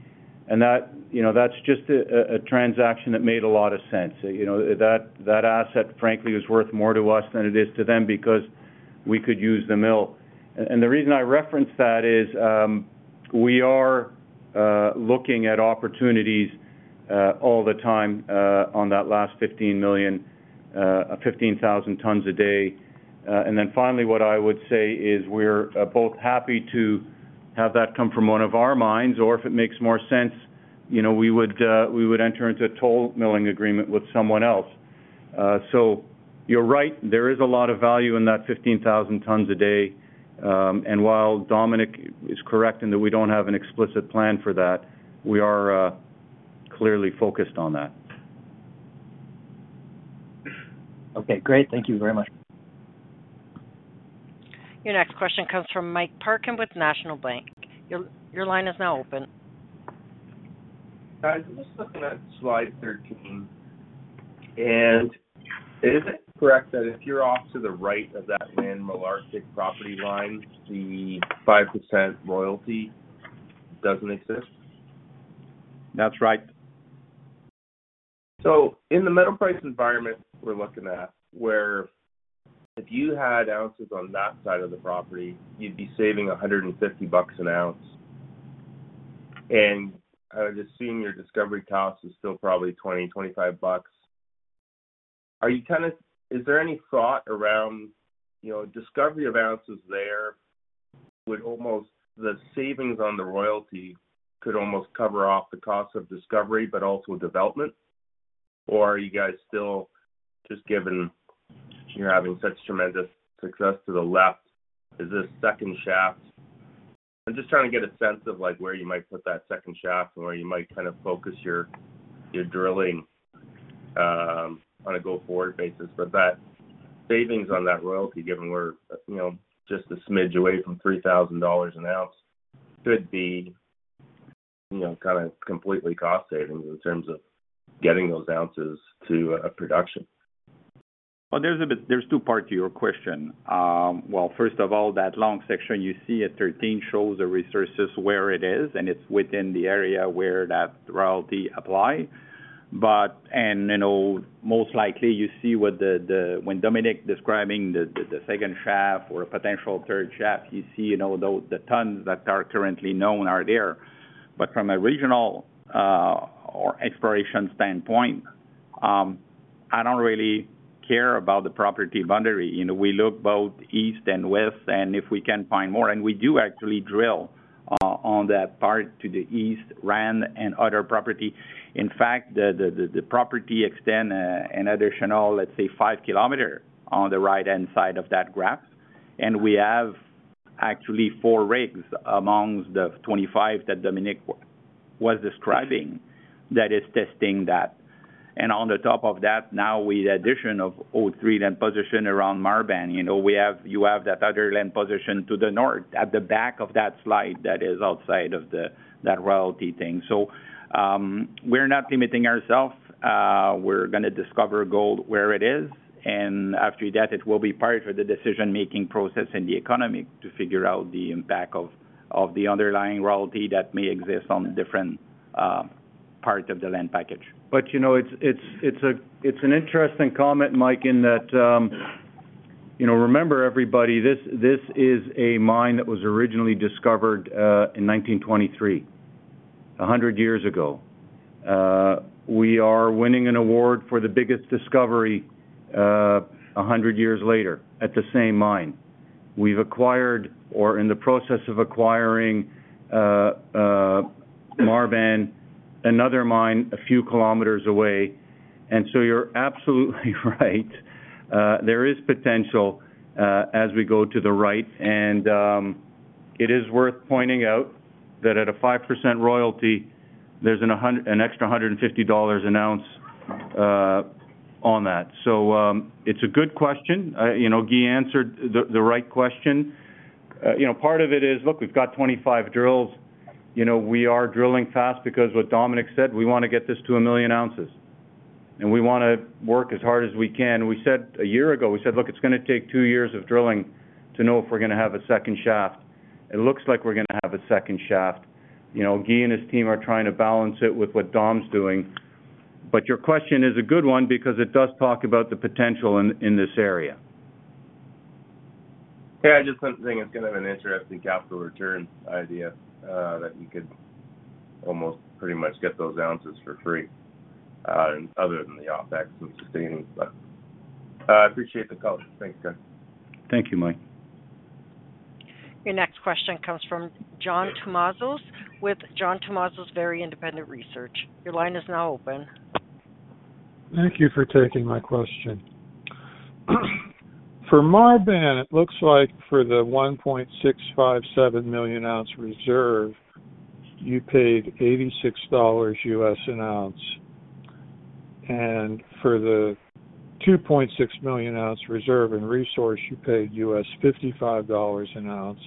and that's just a transaction that made a lot of sense. That asset, frankly, is worth more to us than it is to them because we could use the mill. And the reason I referenced that is we are looking at opportunities all the time on that last 15 million, 15,000 tons a day. And then finally, what I would say is we're both happy to have that come from one of our mines, or if it makes more sense, we would enter into a toll milling agreement with someone else. So you're right. There is a lot of value in that 15,000 tons a day. While Dominique is correct in that we don't have an explicit plan for that, we are clearly focused on that.
Okay. Great. Thank you very much.
Your next question comes from Mike Parkin with National Bank. Your line is now open.
I was looking at slide 13, and is it correct that if you're off to the right of that Malartic property line, the 5% royalty doesn't exist?
That's right.
In the metal price environment we're looking at, where if you had ounces on that side of the property, you'd be saving $150 an ounce. I would assume your discovery cost is still probably $20-$25. Is there any thought around discovery of ounces there would almost the savings on the royalty could almost cover off the cost of discovery but also development? Are you guys still just given you're having such tremendous success to the left? Is this second shaft? I'm just trying to get a sense of where you might put that second shaft and where you might kind of focus your drilling on a go-forward basis. That savings on that royalty, given we're just a smidge away from $3,000 an ounce, could be kind of completely cost savings in terms of getting those ounces to a production.
There's two parts to your question. First of all, that long section you see at 13 shows the resources where it is, and it's within the area where that royalty applies. Most likely, you see when Dominique is describing the second shaft or a potential third shaft, you see the tons that are currently known are there. But from a regional or exploration standpoint, I don't really care about the property boundary. We look both east and west, and if we can find more and we do actually drill on that part to the east, around and other property. In fact, the property extends an additional, let's say, 5 km on the right-hand side of that graph. We have actually four rigs among the 25 that Dominique was describing that is testing that. And on top of that, now with the addition of O3 land position around Marban, you have that other land position to the north at the back of that slide that is outside of that royalty thing. So we're not limiting ourselves. We're going to discover gold where it is. And after that, it will be part of the decision-making process in the economy to figure out the impact of the underlying royalty that may exist on different parts of the land package.
But it's an interesting comment, Mike, in that remember, everybody, this is a mine that was originally discovered in 1923, 100 years ago. We are winning an award for the biggest discovery 100 years later at the same mine. We've acquired or are in the process of acquiring Marban, another mine a few kilometers away. And so you're absolutely right. There is potential as we go to the right, and it is worth pointing out that at a 5% royalty, there's an extra $150 an ounce on that, so it's a good question. Guy answered the right question. Part of it is, look, we've got 25 drills. We are drilling fast because what Dominique said, we want to get this to a million ounces, and we want to work as hard as we can. We said a year ago, we said, Look, it's going to take two years of drilling to know if we're going to have a second shaft. It looks like we're going to have a second shaft. Guy and his team are trying to balance it with what Dom's doing, but your question is a good one because it does talk about the potential in this area.
Yeah. I just think it's going to have an interesting capital return idea that you could almost pretty much get those ounces for free other than the OpEx of sustaining. But I appreciate the color. Thanks, guys.
Thank you, Mike.
Your next question comes from John Tumazos with John Tumazos Very Independent Research. Your line is now open.
Thank you for taking my question. For Marban, it looks like for the 1.657 million ounce reserve, you paid $86 U.S. an ounce. And for the 2.6 million ounce reserve and resource, you paid $55 U.S. an ounce.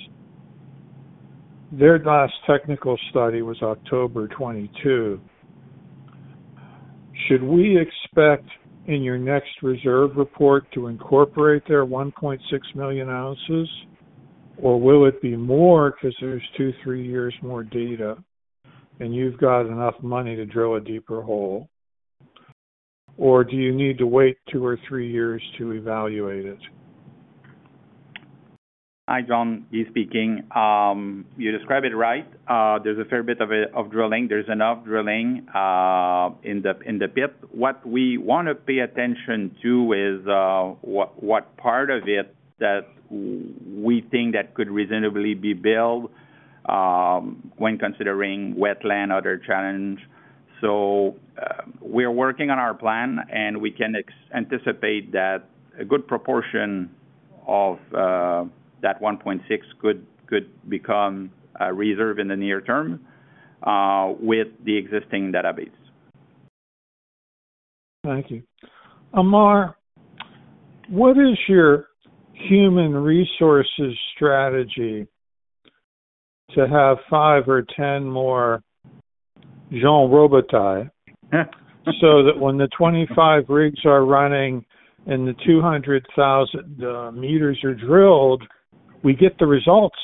Their last technical study was October 2022. Should we expect in your next reserve report to incorporate their 1.6 million ounces, or will it be more because there's two, three years more data and you've got enough money to drill a deeper hole? Or do you need to wait two or three years to evaluate it?
Hi, John. Guy speaking. You described it right. There's a fair bit of drilling. There's enough drilling in the pit. What we want to pay attention to is what part of it that we think that could reasonably be built when considering wetland, other challenge. So we're working on our plan, and we can anticipate that a good proportion of that 1.6 could become a reserve in the near term with the existing database.
Thank you. Ammar, what is your human resources strategy to have five or 10 more Jean Robitaille so that when the 25 rigs are running and the 200,000 meters are drilled, we get the results?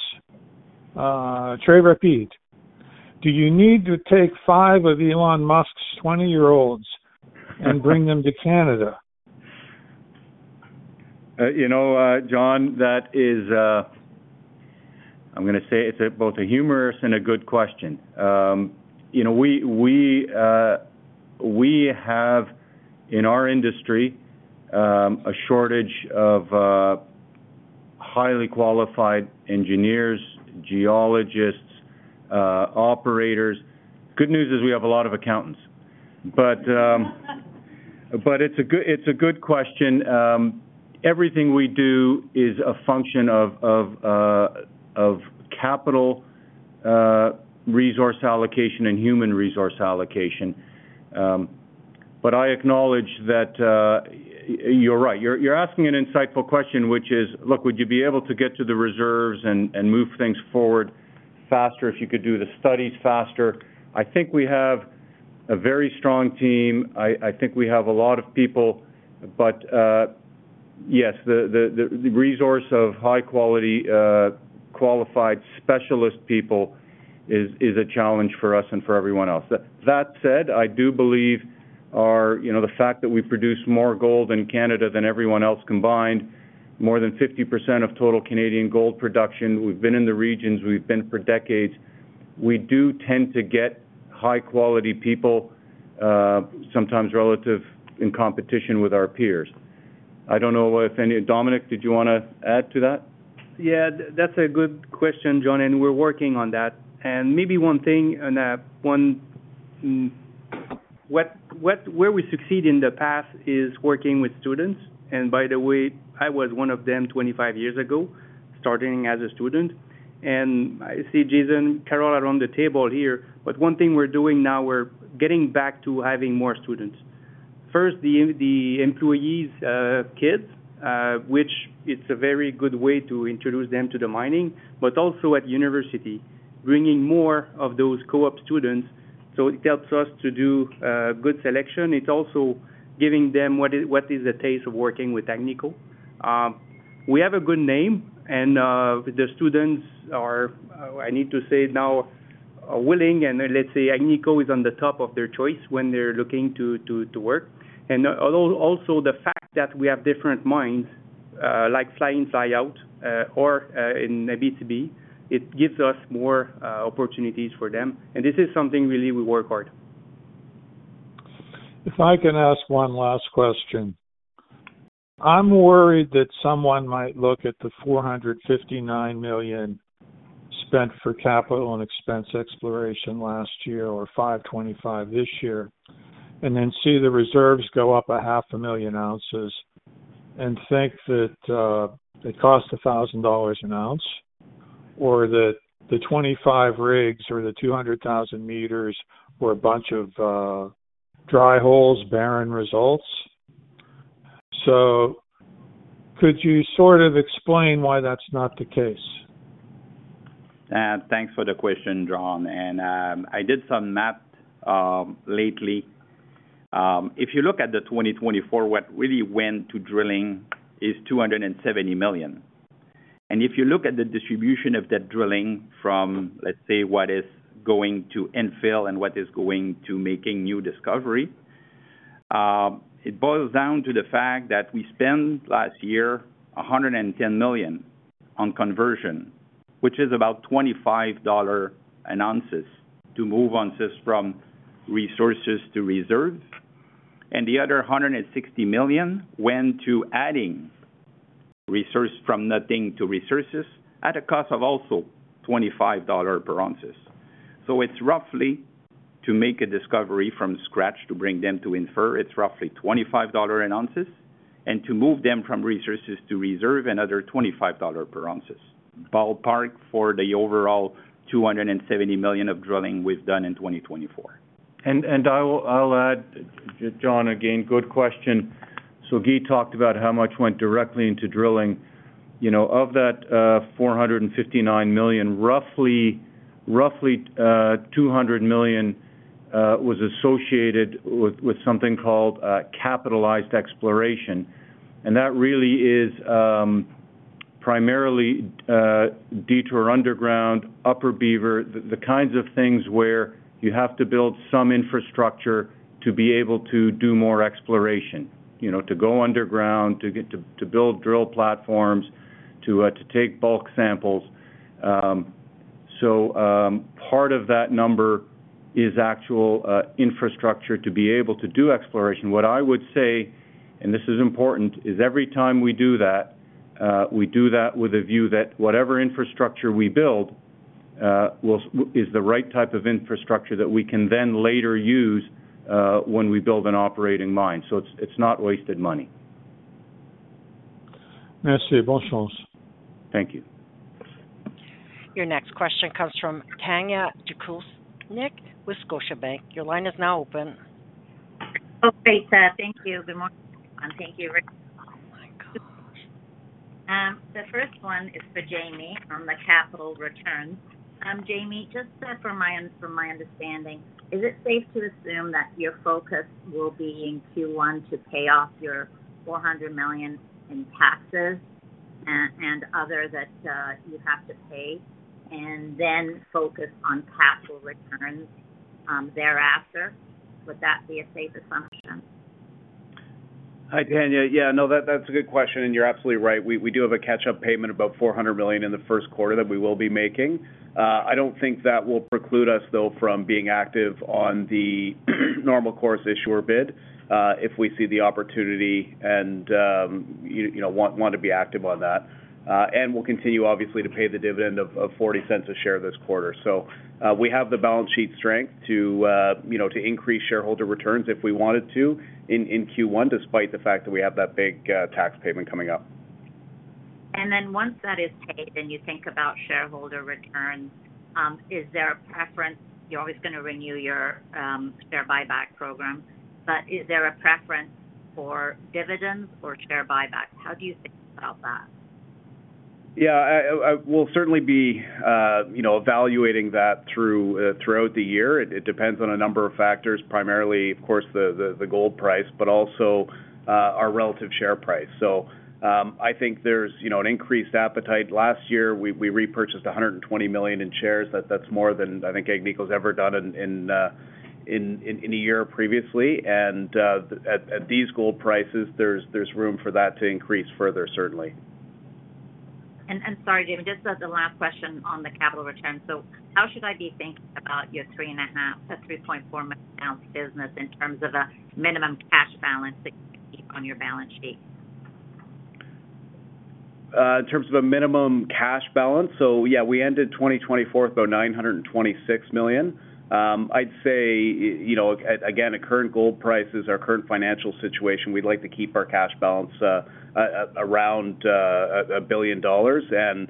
Très rapide, do you need to take five of Elon Musk's 20-year-olds and bring them to Canada?
John, that is, I'm going to say it's both a humorous and a good question. We have, in our industry, a shortage of highly qualified engineers, geologists, operators. Good news is we have a lot of accountants. But it's a good question. Everything we do is a function of capital resource allocation and human resource allocation. But I acknowledge that you're right. You're asking an insightful question, which is, look, would you be able to get to the reserves and move things forward faster if you could do the studies faster? I think we have a very strong team. I think we have a lot of people. But yes, the resource of high-quality, qualified specialist people is a challenge for us and for everyone else. That said, I do believe the fact that we produce more gold in Canada than everyone else combined, more than 50% of total Canadian gold production. We've been in the regions. We've been for decades. We do tend to get high-quality people, sometimes relative in competition with our peers. I don't know if any Dominique, did you want to add to that?
Yeah. That's a good question, John, and we're working on that. And maybe one thing where we succeed in the past is working with students. And by the way, I was one of them 25 years ago, starting as a student. And I see Jason Carroll around the table here. But one thing we're doing now, we're getting back to having more students. First, the employees' kids, which it's a very good way to introduce them to the mining, but also at university, bringing more of those co-op students, so it helps us to do good selection. It's also giving them what is the taste of working with Agnico. We have a good name, and the students are, I need to say now, willing. And let's say Agnico is on the top of their choice when they're looking to work. And also the fact that we have different mines, like fly-in fly-out or in Abitibi. It gives us more opportunities for them. And this is something really we work hard.
If I can ask one last question, I'm worried that someone might look at the $459 million spent for capital and expense exploration last year or $525 million this year and then see the reserves go up 500,000 ounces and think that it costs $1,000 an ounce or that the 25 rigs or the 200,000 meters were a bunch of dry holes, barren results, so could you sort of explain why that's not the case?
Thanks for the question, John, and I did some math lately. If you look at the 2024, what really went to drilling is $270 million. And if you look at the distribution of that drilling from, let's say, what is going to inferred and what is going to making new discovery, it boils down to the fact that we spent last year $110 million on conversion, which is about $25 an ounce to move ounces from resources to reserves. And the other $160 million went to adding resources from nothing to resources at a cost of also $25 per ounce. So it's roughly, to make a discovery from scratch to bring them to inferred, it's roughly $25 an ounce. And to move them from resources to reserve, another $25 per ounce, ballpark for the overall $270 million of drilling we've done in 2024.
And I'll add, John, again, good question. Guy talked about how much went directly into drilling. Of that $459 million, roughly $200 million was associated with something called capitalized exploration. And that really is primarily Detour Underground, Upper Beaver, the kinds of things where you have to build some infrastructure to be able to do more exploration, to go underground, to build drill platforms, to take bulk samples. So part of that number is actual infrastructure to be able to do exploration. What I would say, and this is important, is every time we do that, we do that with a view that whatever infrastructure we build is the right type of infrastructure that we can then later use when we build an operating mine. So it's not wasted money.
Merci beaucoup.
Thank you.
Your next question comes from Tanya Jakusconek with Scotiabank. Your line is now open.
Oh, great. Thank you. Good morning. Thank you.
Oh, my gosh.
The first one is for Jamie on the capital return. Jamie, just for my understanding, is it safe to assume that your focus will be in Q1 to pay off your $400 million in taxes and other that you have to pay and then focus on capital returns thereafter? Would that be a safe assumption?
Hi, Tanya. Yeah. No, that's a good question, and you're absolutely right. We do have a catch-up payment of about $400 million in the first quarter that we will be making. I don't think that will preclude us, though, from being active on the normal course issuer bid if we see the opportunity and want to be active on that. We'll continue, obviously, to pay the dividend of $0.40 a share this quarter. We have the balance sheet strength to increase shareholder returns if we wanted to in Q1, despite the fact that we have that big tax payment coming up.
And then once that is paid and you think about shareholder returns, is there a preference? You're always going to renew your share buyback program. But is there a preference for dividends or share buybacks? How do you think about that?
Yeah. We'll certainly be evaluating that throughout the year. It depends on a number of factors, primarily, of course, the gold price, but also our relative share price. So I think there's an increased appetite. Last year, we repurchased $120 million in shares. That's more than I think Agnico's ever done in a year previously. And at these gold prices, there's room for that to increase further, certainly.
Sorry, Jamie, just the last question on the capital return. How should I be thinking about your 3.5-3.4 million ounce business in terms of a minimum cash balance that you can keep on your balance sheet?
In terms of a minimum cash balance? So yeah, we ended 2024 at about $926 million. I'd say, again, at current gold prices, our current financial situation, we'd like to keep our cash balance around $1 billion and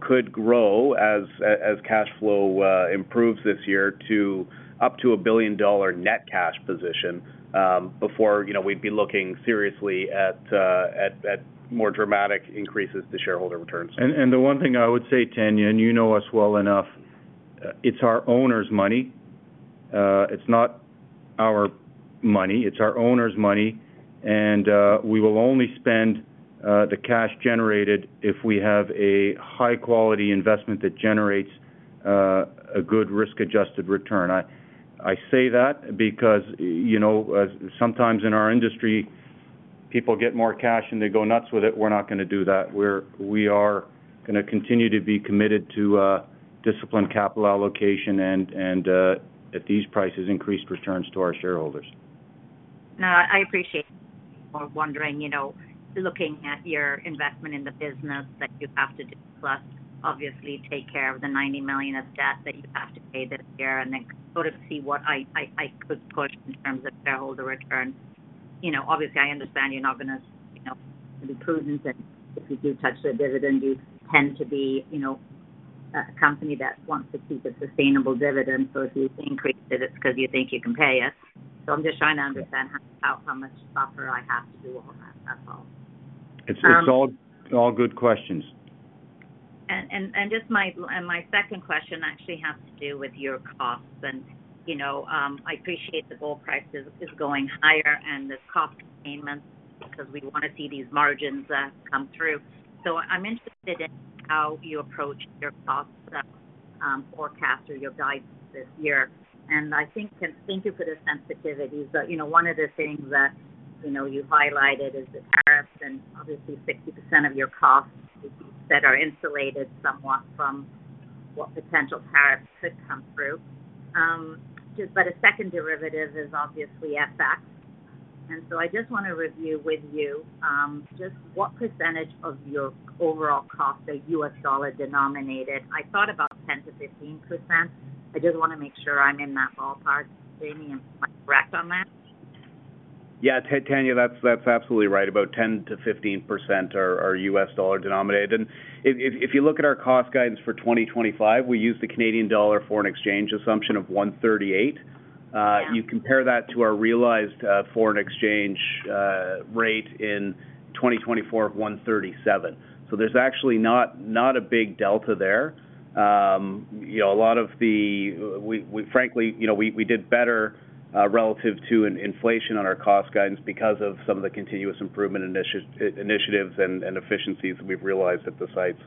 could grow as cash flow improves this year to up to a $1 billion net cash position before we'd be looking seriously at more dramatic increases to shareholder returns.
And the one thing I would say, Tanya, and you know us well enough, it's our owner's money. It's not our money. It's our owner's money. And we will only spend the cash generated if we have a high-quality investment that generates a good risk-adjusted return. I say that because sometimes in our industry, people get more cash and they go nuts with it. We're not going to do that. We are going to continue to be committed to disciplined capital allocation and, at these prices, increased returns to our shareholders.
No, I appreciate you for wondering, looking at your investment in the business that you have to do, plus, obviously, take care of the $90 million of debt that you have to pay this year and then sort of see what I could push in terms of shareholder return. Obviously, I understand you're not going to be prudent. And if you do touch the dividend, you tend to be a company that wants to keep a sustainable dividend. So if you increase it, it's because you think you can pay it. So I'm just trying to understand how much buffer I have to do all that. That's all.
It's all good questions.
Just my second question actually has to do with your costs. I appreciate the gold price is going higher and the cost of payments because we want to see these margins come through. I'm interested in how you approach your cost forecast or your guidance this year. I think, and thank you for the sensitivities, but one of the things that you highlighted is the tariffs and obviously 60% of your costs that are insulated somewhat from what potential tariffs could come through. A second derivative is obviously FX. I just want to review with you just what percentage of your overall costs are U.S. dollar denominated. I thought about 10%-15%. I just want to make sure I'm in that ballpark. Jamie, am I correct on that?
Yeah. Tanya, that's absolutely right. About 10%-15% are U.S. dollar denominated. And if you look at our cost guidance for 2025, we use the Canadian dollar foreign exchange assumption of 138. You compare that to our realized foreign exchange rate in 2024 of 137. So there's actually not a big delta there. A lot of it, frankly, we did better relative to inflation on our cost guidance because of some of the continuous improvement initiatives and efficiencies that we've realized at the sites.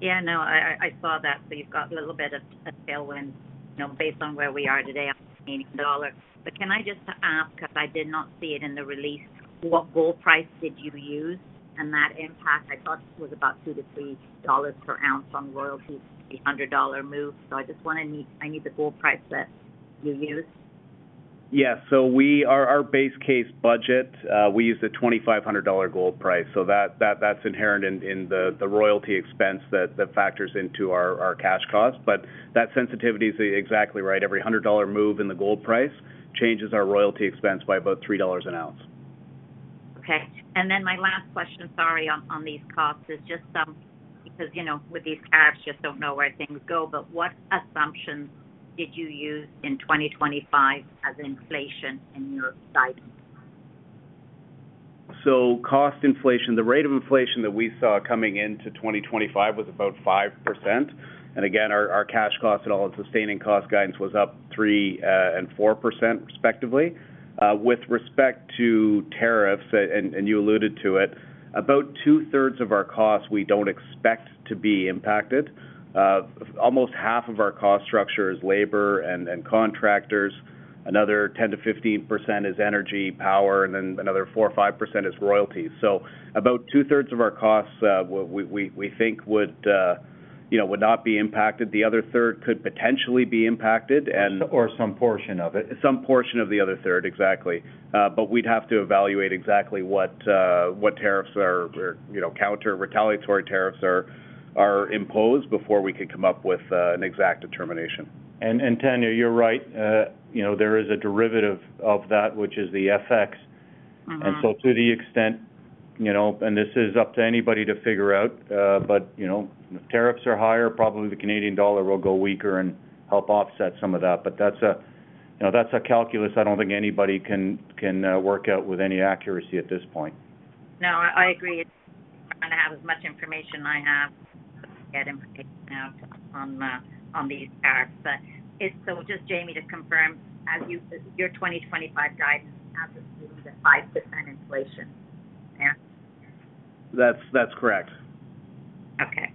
Yeah. No, I saw that. So you've got a little bit of tailwind based on where we are today on Canadian dollar. But can I just ask, because I did not see it in the release, what gold price did you use and that impact? I thought it was about $2-$3 per ounce on royalty, $300 move. So I need the gold price that you used.
Yeah, so our base case budget, we use the $2,500 gold price, so that's inherent in the royalty expense that factors into our cash cost. But that sensitivity is exactly right. Every $100 move in the gold price changes our royalty expense by about $3 an ounce.
Okay. And then my last question, sorry, on these costs is just because with these tariffs, just don't know where things go. But what assumptions did you use in 2025 as inflation in your guidance?
So, cost inflation, the rate of inflation that we saw coming into 2025, was about 5%. And again, our cash cost and all sustaining cost guidance was up 3% and 4% respectively. With respect to tariffs, and you alluded to it, about two-thirds of our costs we don't expect to be impacted. Almost half of our cost structure is labor and contractors. Another 10%-15% is energy, power, and then another 4%-5% is royalties. So about two-thirds of our costs we think would not be impacted. The other third could potentially be impacted and.
Or some portion of it.
Some portion of the other third, exactly. But we'd have to evaluate exactly what tariffs or counter-retaliatory tariffs are imposed before we could come up with an exact determination.
Tanya, you're right. There is a derivative of that, which is the FX. And so to the extent, and this is up to anybody to figure out, but if tariffs are higher, probably the Canadian dollar will go weaker and help offset some of that. But that's a calculus I don't think anybody can work out with any accuracy at this point.
No, I agree. I'm going to have as much information. I have to get information out on these tariffs. So just, Jamie, to confirm, your 2025 guidance has assumed a 5% inflation. Yeah.
That's correct.
Okay.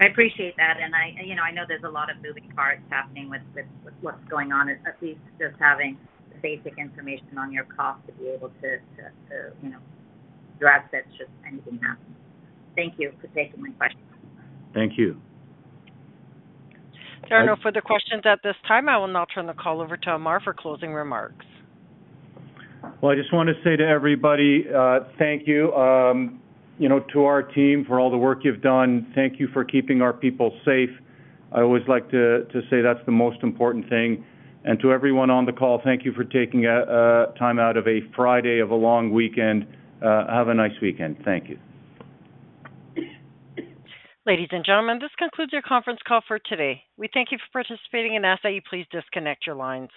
I appreciate that and I know there's a lot of moving parts happening with what's going on, at least just having the basic information on your costs to be able to address it should anything happen. Thank you for taking my questions.
Thank you.
There are no further questions at this time. I will now turn the call over to Ammar for closing remarks.
I just want to say to everybody, thank you to our team for all the work you've done. Thank you for keeping our people safe. I always like to say that's the most important thing. And to everyone on the call, thank you for taking time out of a Friday of a long weekend. Have a nice weekend. Thank you.
Ladies and gentlemen, this concludes our conference call for today. We thank you for participating and ask that you please disconnect your lines.